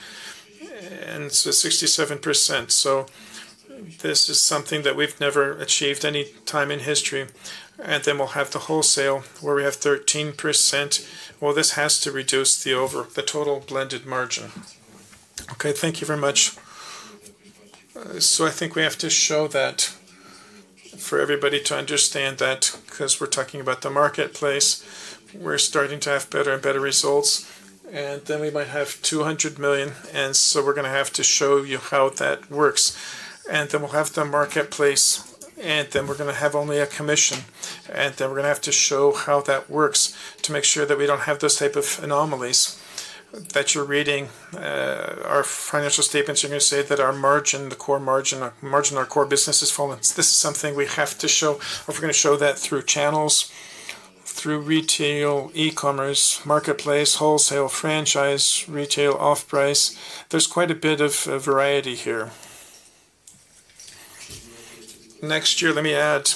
It is 67%. This is something that we have never achieved any time in history. We will have the wholesale where we have 13%. This has to reduce the total blended margin. Okay, thank you very much. I think we have to show that for everybody to understand that because we are talking about the marketplace. We are starting to have better and better results. We might have 200 million. We are going to have to show you how that works. We will have the marketplace, and then we are going to have only a commission. We are going to have to show how that works to make sure that we do not have those types of anomalies that, when you are reading our financial statements, you are going to say that our margin, the core margin, our core business has fallen. This is something we have to show. We are going to show that through channels, through retail, e-commerce, marketplace, wholesale, franchise, retail, off-price. There's quite a bit of variety here. Next year, let me add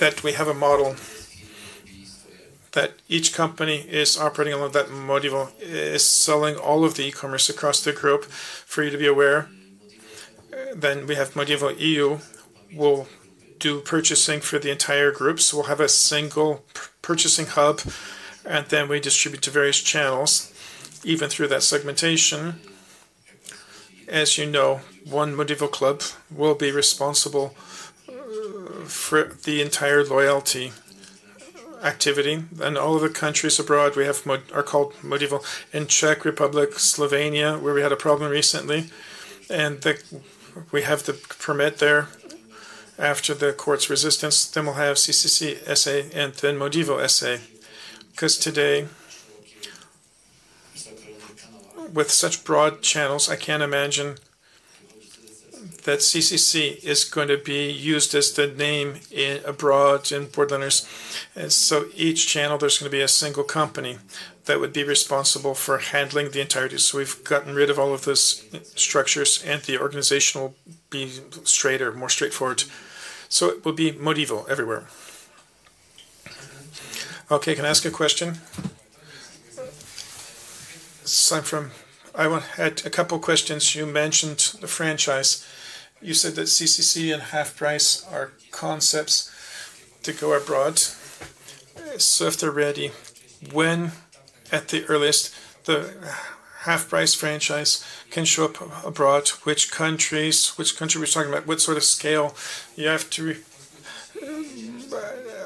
that we have a model that each company is operating on that module, is selling all of the e-commerce across the group for you to be aware. Then we have Modivo EU will do purchasing for the entire group. We will have a single purchasing hub, and then we distribute to various channels, even through that segmentation. As you know, one Modivo Club will be responsible for the entire loyalty activity. All of the countries abroad are called Modivo in Czech Republic, Slovenia, where we had a problem recently. We have the permit there after the court's resistance. We will have CCC SA and then Modivo SA because today, with such broad channels, I can't imagine that CCC is going to be used as the name abroad in Portlanders. Each channel, there's going to be a single company that would be responsible for handling the entirety. We've gotten rid of all of those structures, and the organization will be straighter, more straightforward. It will be Modivo everywhere. Okay, can I ask a question? I had a couple of questions. You mentioned the franchise. You said that CCC and Half Price are concepts to go abroad. If they're ready, when at the earliest can the Half Price franchise show up abroad, which countries? Which country are we talking about? What sort of scale?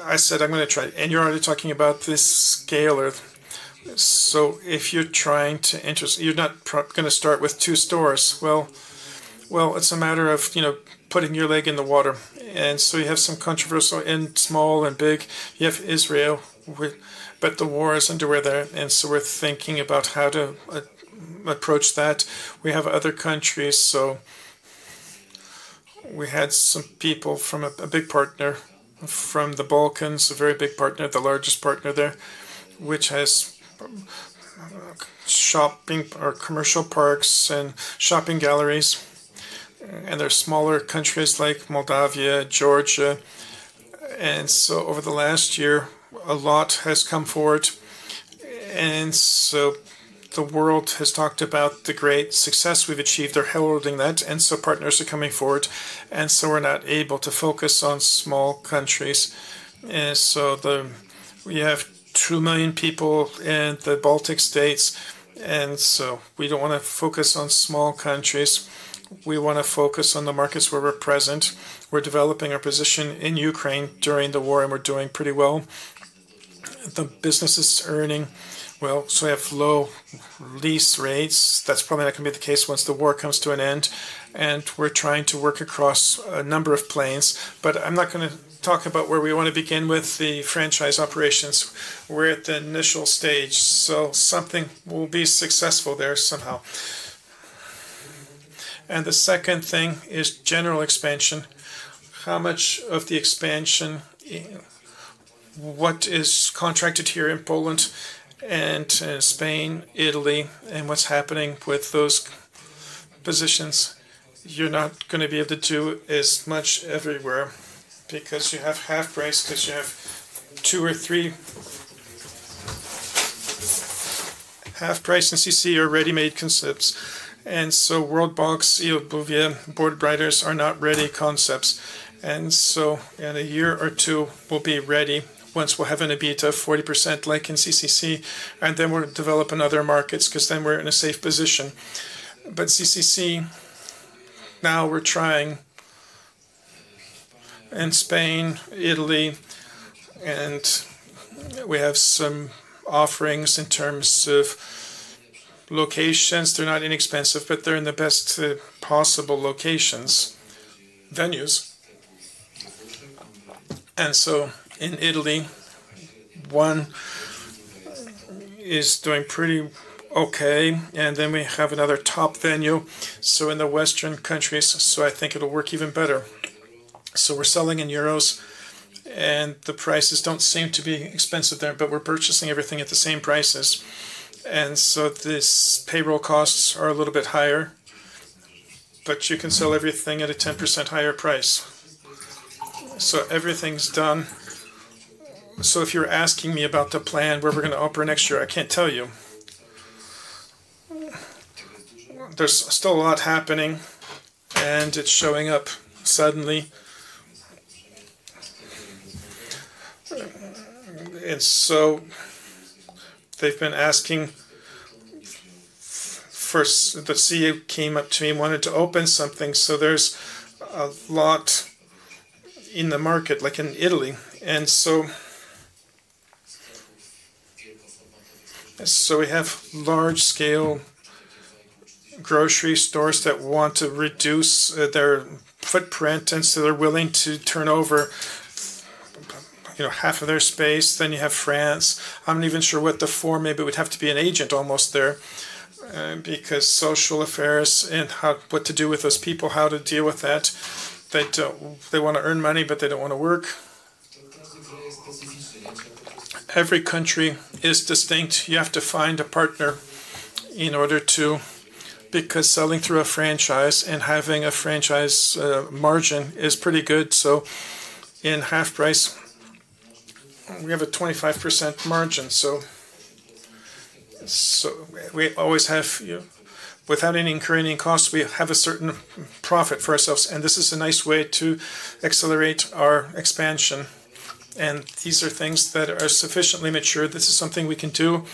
I said, "I'm going to try it." You're already talking about this scale. If you're trying to enter, you're not going to start with two stores. It's a matter of putting your leg in the water. You have some controversial and small and big. You have Israel, but the war is underway there. We're thinking about how to approach that. We have other countries. We had some people from a big partner from the Balkans, a very big partner, the largest partner there, which has shopping or commercial parks and shopping galleries. There are smaller countries like Moldova, Georgia. Over the last year, a lot has come forward. The world has talked about the great success we've achieved. They're heralding that. Partners are coming forward. We're not able to focus on small countries. We have 2 million people in the Baltic States. We don't want to focus on small countries. We want to focus on the markets where we're present. We're developing our position in Ukraine during the war, and we're doing pretty well. The business is earning. We have low lease rates. That's probably not going to be the case once the war comes to an end. We're trying to work across a number of planes. I'm not going to talk about where we want to begin with the franchise operations. We're at the initial stage. Something will be successful there somehow. The second thing is general expansion. How much of the expansion, what is contracted here in Poland and in Spain, Italy, and what's happening with those positions? You're not going to be able to do as much everywhere because you have Half Price, because you have two or three Half Price and CCC are ready-made concepts. Worldbox, EU, Boulevier, Board Writers are not ready concepts. In a year or two, we'll be ready once we'll have an EBITDA of 40% like in CCC. We'll develop in other markets because then we're in a safe position. CCC, now we're trying in Spain, Italy, and we have some offerings in terms of locations. They're not inexpensive, but they're in the best possible locations, venues. In Italy, one is doing pretty okay. We have another top venue. In the Western countries, I think it'll work even better. We're selling in euros, and the prices don't seem to be expensive there, but we're purchasing everything at the same prices. These payroll costs are a little bit higher, but you can sell everything at a 10% higher price. Everything's done. If you're asking me about the plan, where we're going to operate next year, I can't tell you. There's still a lot happening, and it's showing up suddenly. They've been asking for the CEO came up to me and wanted to open something. There is a lot in the market, like in Italy. We have large-scale grocery stores that want to reduce their footprint, and they're willing to turn over half of their space. You have France. I'm not even sure what the form may be. It would have to be an agent almost there because social affairs and what to do with those people, how to deal with that. They want to earn money, but they don't want to work. Every country is distinct. You have to find a partner in order to, because selling through a franchise and having a franchise margin is pretty good. In Half Price, we have a 25% margin. We always have, without incurring any costs, a certain profit for ourselves. This is a nice way to accelerate our expansion. These are things that are sufficiently mature. This is something we can do.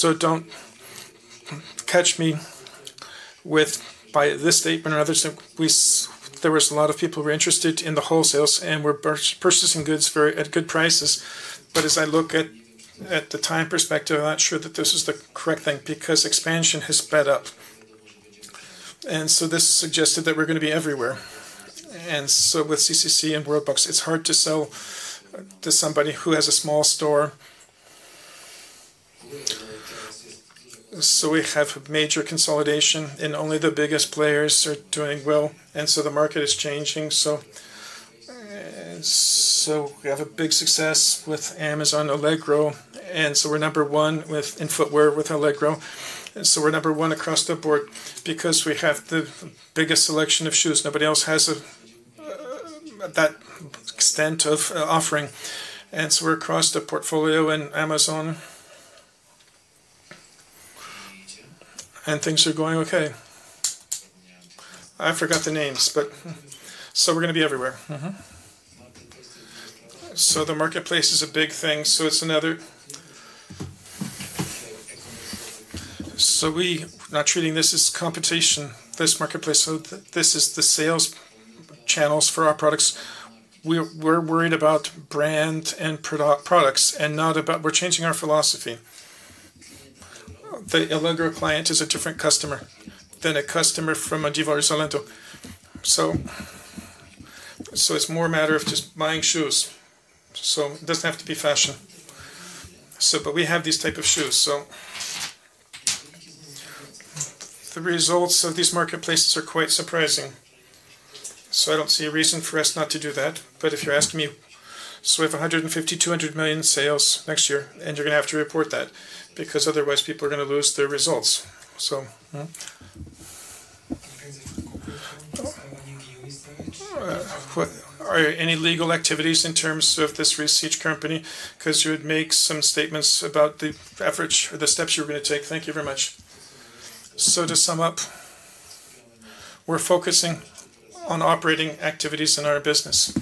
Do not catch me with, by this statement or others, there was a lot of people who were interested in the wholesales and were purchasing goods at good prices. As I look at the time perspective, I am not sure that this is the correct thing because expansion has sped up. This suggested that we are going to be everywhere. With CCC and Worldbox, it is hard to sell to somebody who has a small store. We have major consolidation, and only the biggest players are doing well. The market is changing. We have a big success with Amazon, Allegro. We are number one in footwear with Allegro. We're number one across the board because we have the biggest selection of shoes. Nobody else has that extent of offering. We're across the portfolio and Amazon. Things are going okay. I forgot the names, but we're going to be everywhere. The marketplace is a big thing. It's another. We are not treating this as competition, this marketplace. This is the sales channels for our products. We're worried about brand and products and not about we're changing our philosophy. The Allegro client is a different customer than a customer from Modivo or Zolanto. It's more a matter of just buying shoes. It doesn't have to be fashion. We have these types of shoes. The results of these marketplaces are quite surprising. I don't see a reason for us not to do that. If you're asking me, we have 150 million-200 million sales next year, and you're going to have to report that because otherwise people are going to lose their results. Are there any legal activities in terms of this research company? You had made some statements about the efforts or the steps you were going to take. Thank you very much. To sum up, we're focusing on operating activities in our business.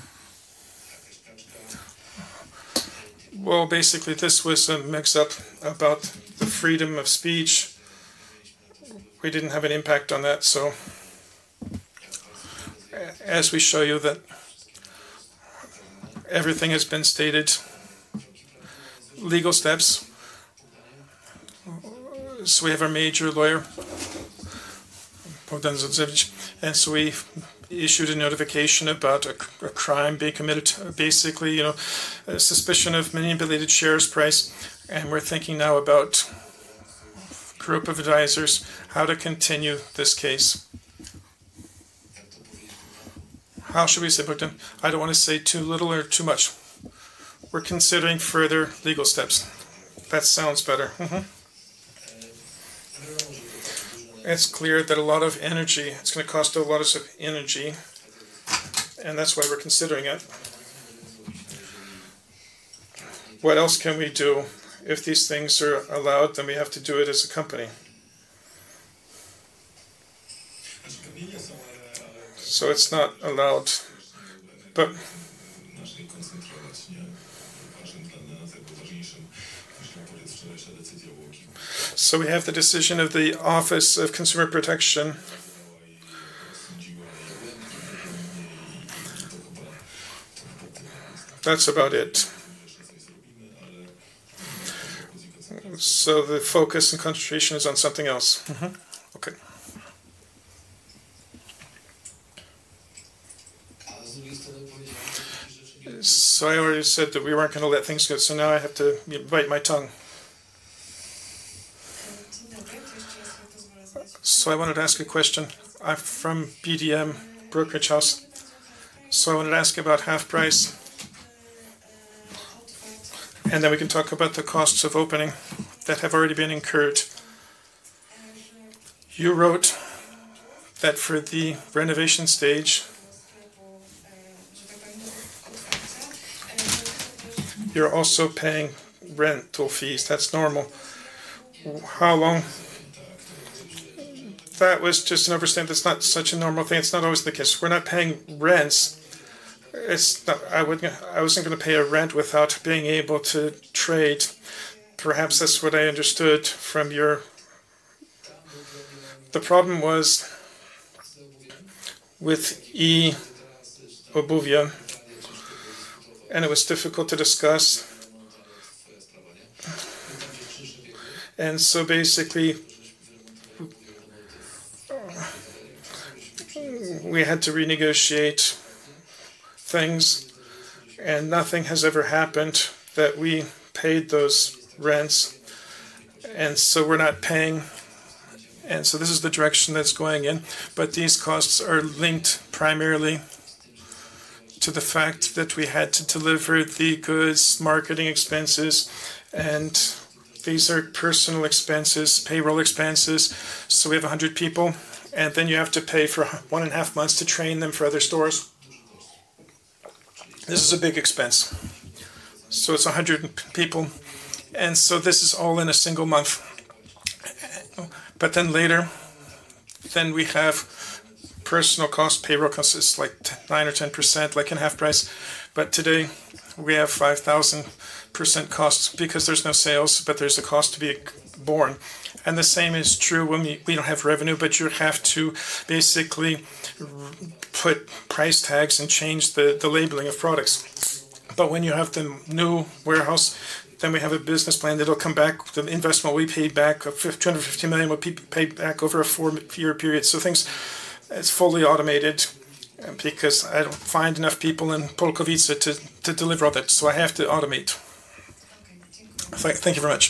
This was a mix-up about the freedom of speech. We didn't have an impact on that. As we show you, everything has been stated, legal steps. We have our major lawyer, Portland's exhibit. We issued a notification about a crime being committed, basically a suspicion of manipulated shares price. We're thinking now about a group of advisors, how to continue this case. How should we say, Bogdan? I do not want to say too little or too much. We are considering further legal steps. That sounds better. It is clear that a lot of energy. It is going to cost a lot of energy. That is why we are considering it. What else can we do? If these things are allowed, then we have to do it as a company. It is not allowed, but. We have the decision of the Office of Consumer Protection. That is about it. The focus and concentration is on something else. Okay. I already said that we were not going to let things go. Now I have to bite my tongue. I wanted to ask a question. I am from BDM, Brokerage House. I wanted to ask about Half Price. Then we can talk about the costs of opening that have already been incurred. You wrote that for the renovation stage, you're also paying rental fees. That's normal. How long? That was just an overstatement. That's not such a normal thing. It's not always the case. We're not paying rents. I wasn't going to pay a rent without being able to trade. Perhaps that's what I understood from your. The problem was with EU, and it was difficult to discuss. Basically, we had to renegotiate things, and nothing has ever happened that we paid those rents. We're not paying. This is the direction that's going in. These costs are linked primarily to the fact that we had to deliver the goods, marketing expenses, and these are personal expenses, payroll expenses. We have 100 people, and then you have to pay for one and a half months to train them for other stores. This is a big expense. It is 100 people. This is all in a single month. Later, we have personal costs, payroll costs is like 9% or 10%, like in Half Price. Today, we have 5,000% costs because there is no sales, but there is a cost to be borne. The same is true when we do not have revenue, but you have to basically put price tags and change the labeling of products. When you have the new warehouse, we have a business plan. It will come back. The investment we paid back of 250 million will be paid back over a four-year period. It is fully automated because I do not find enough people in Polkowice to deliver all that. I have to automate. Thank you very much.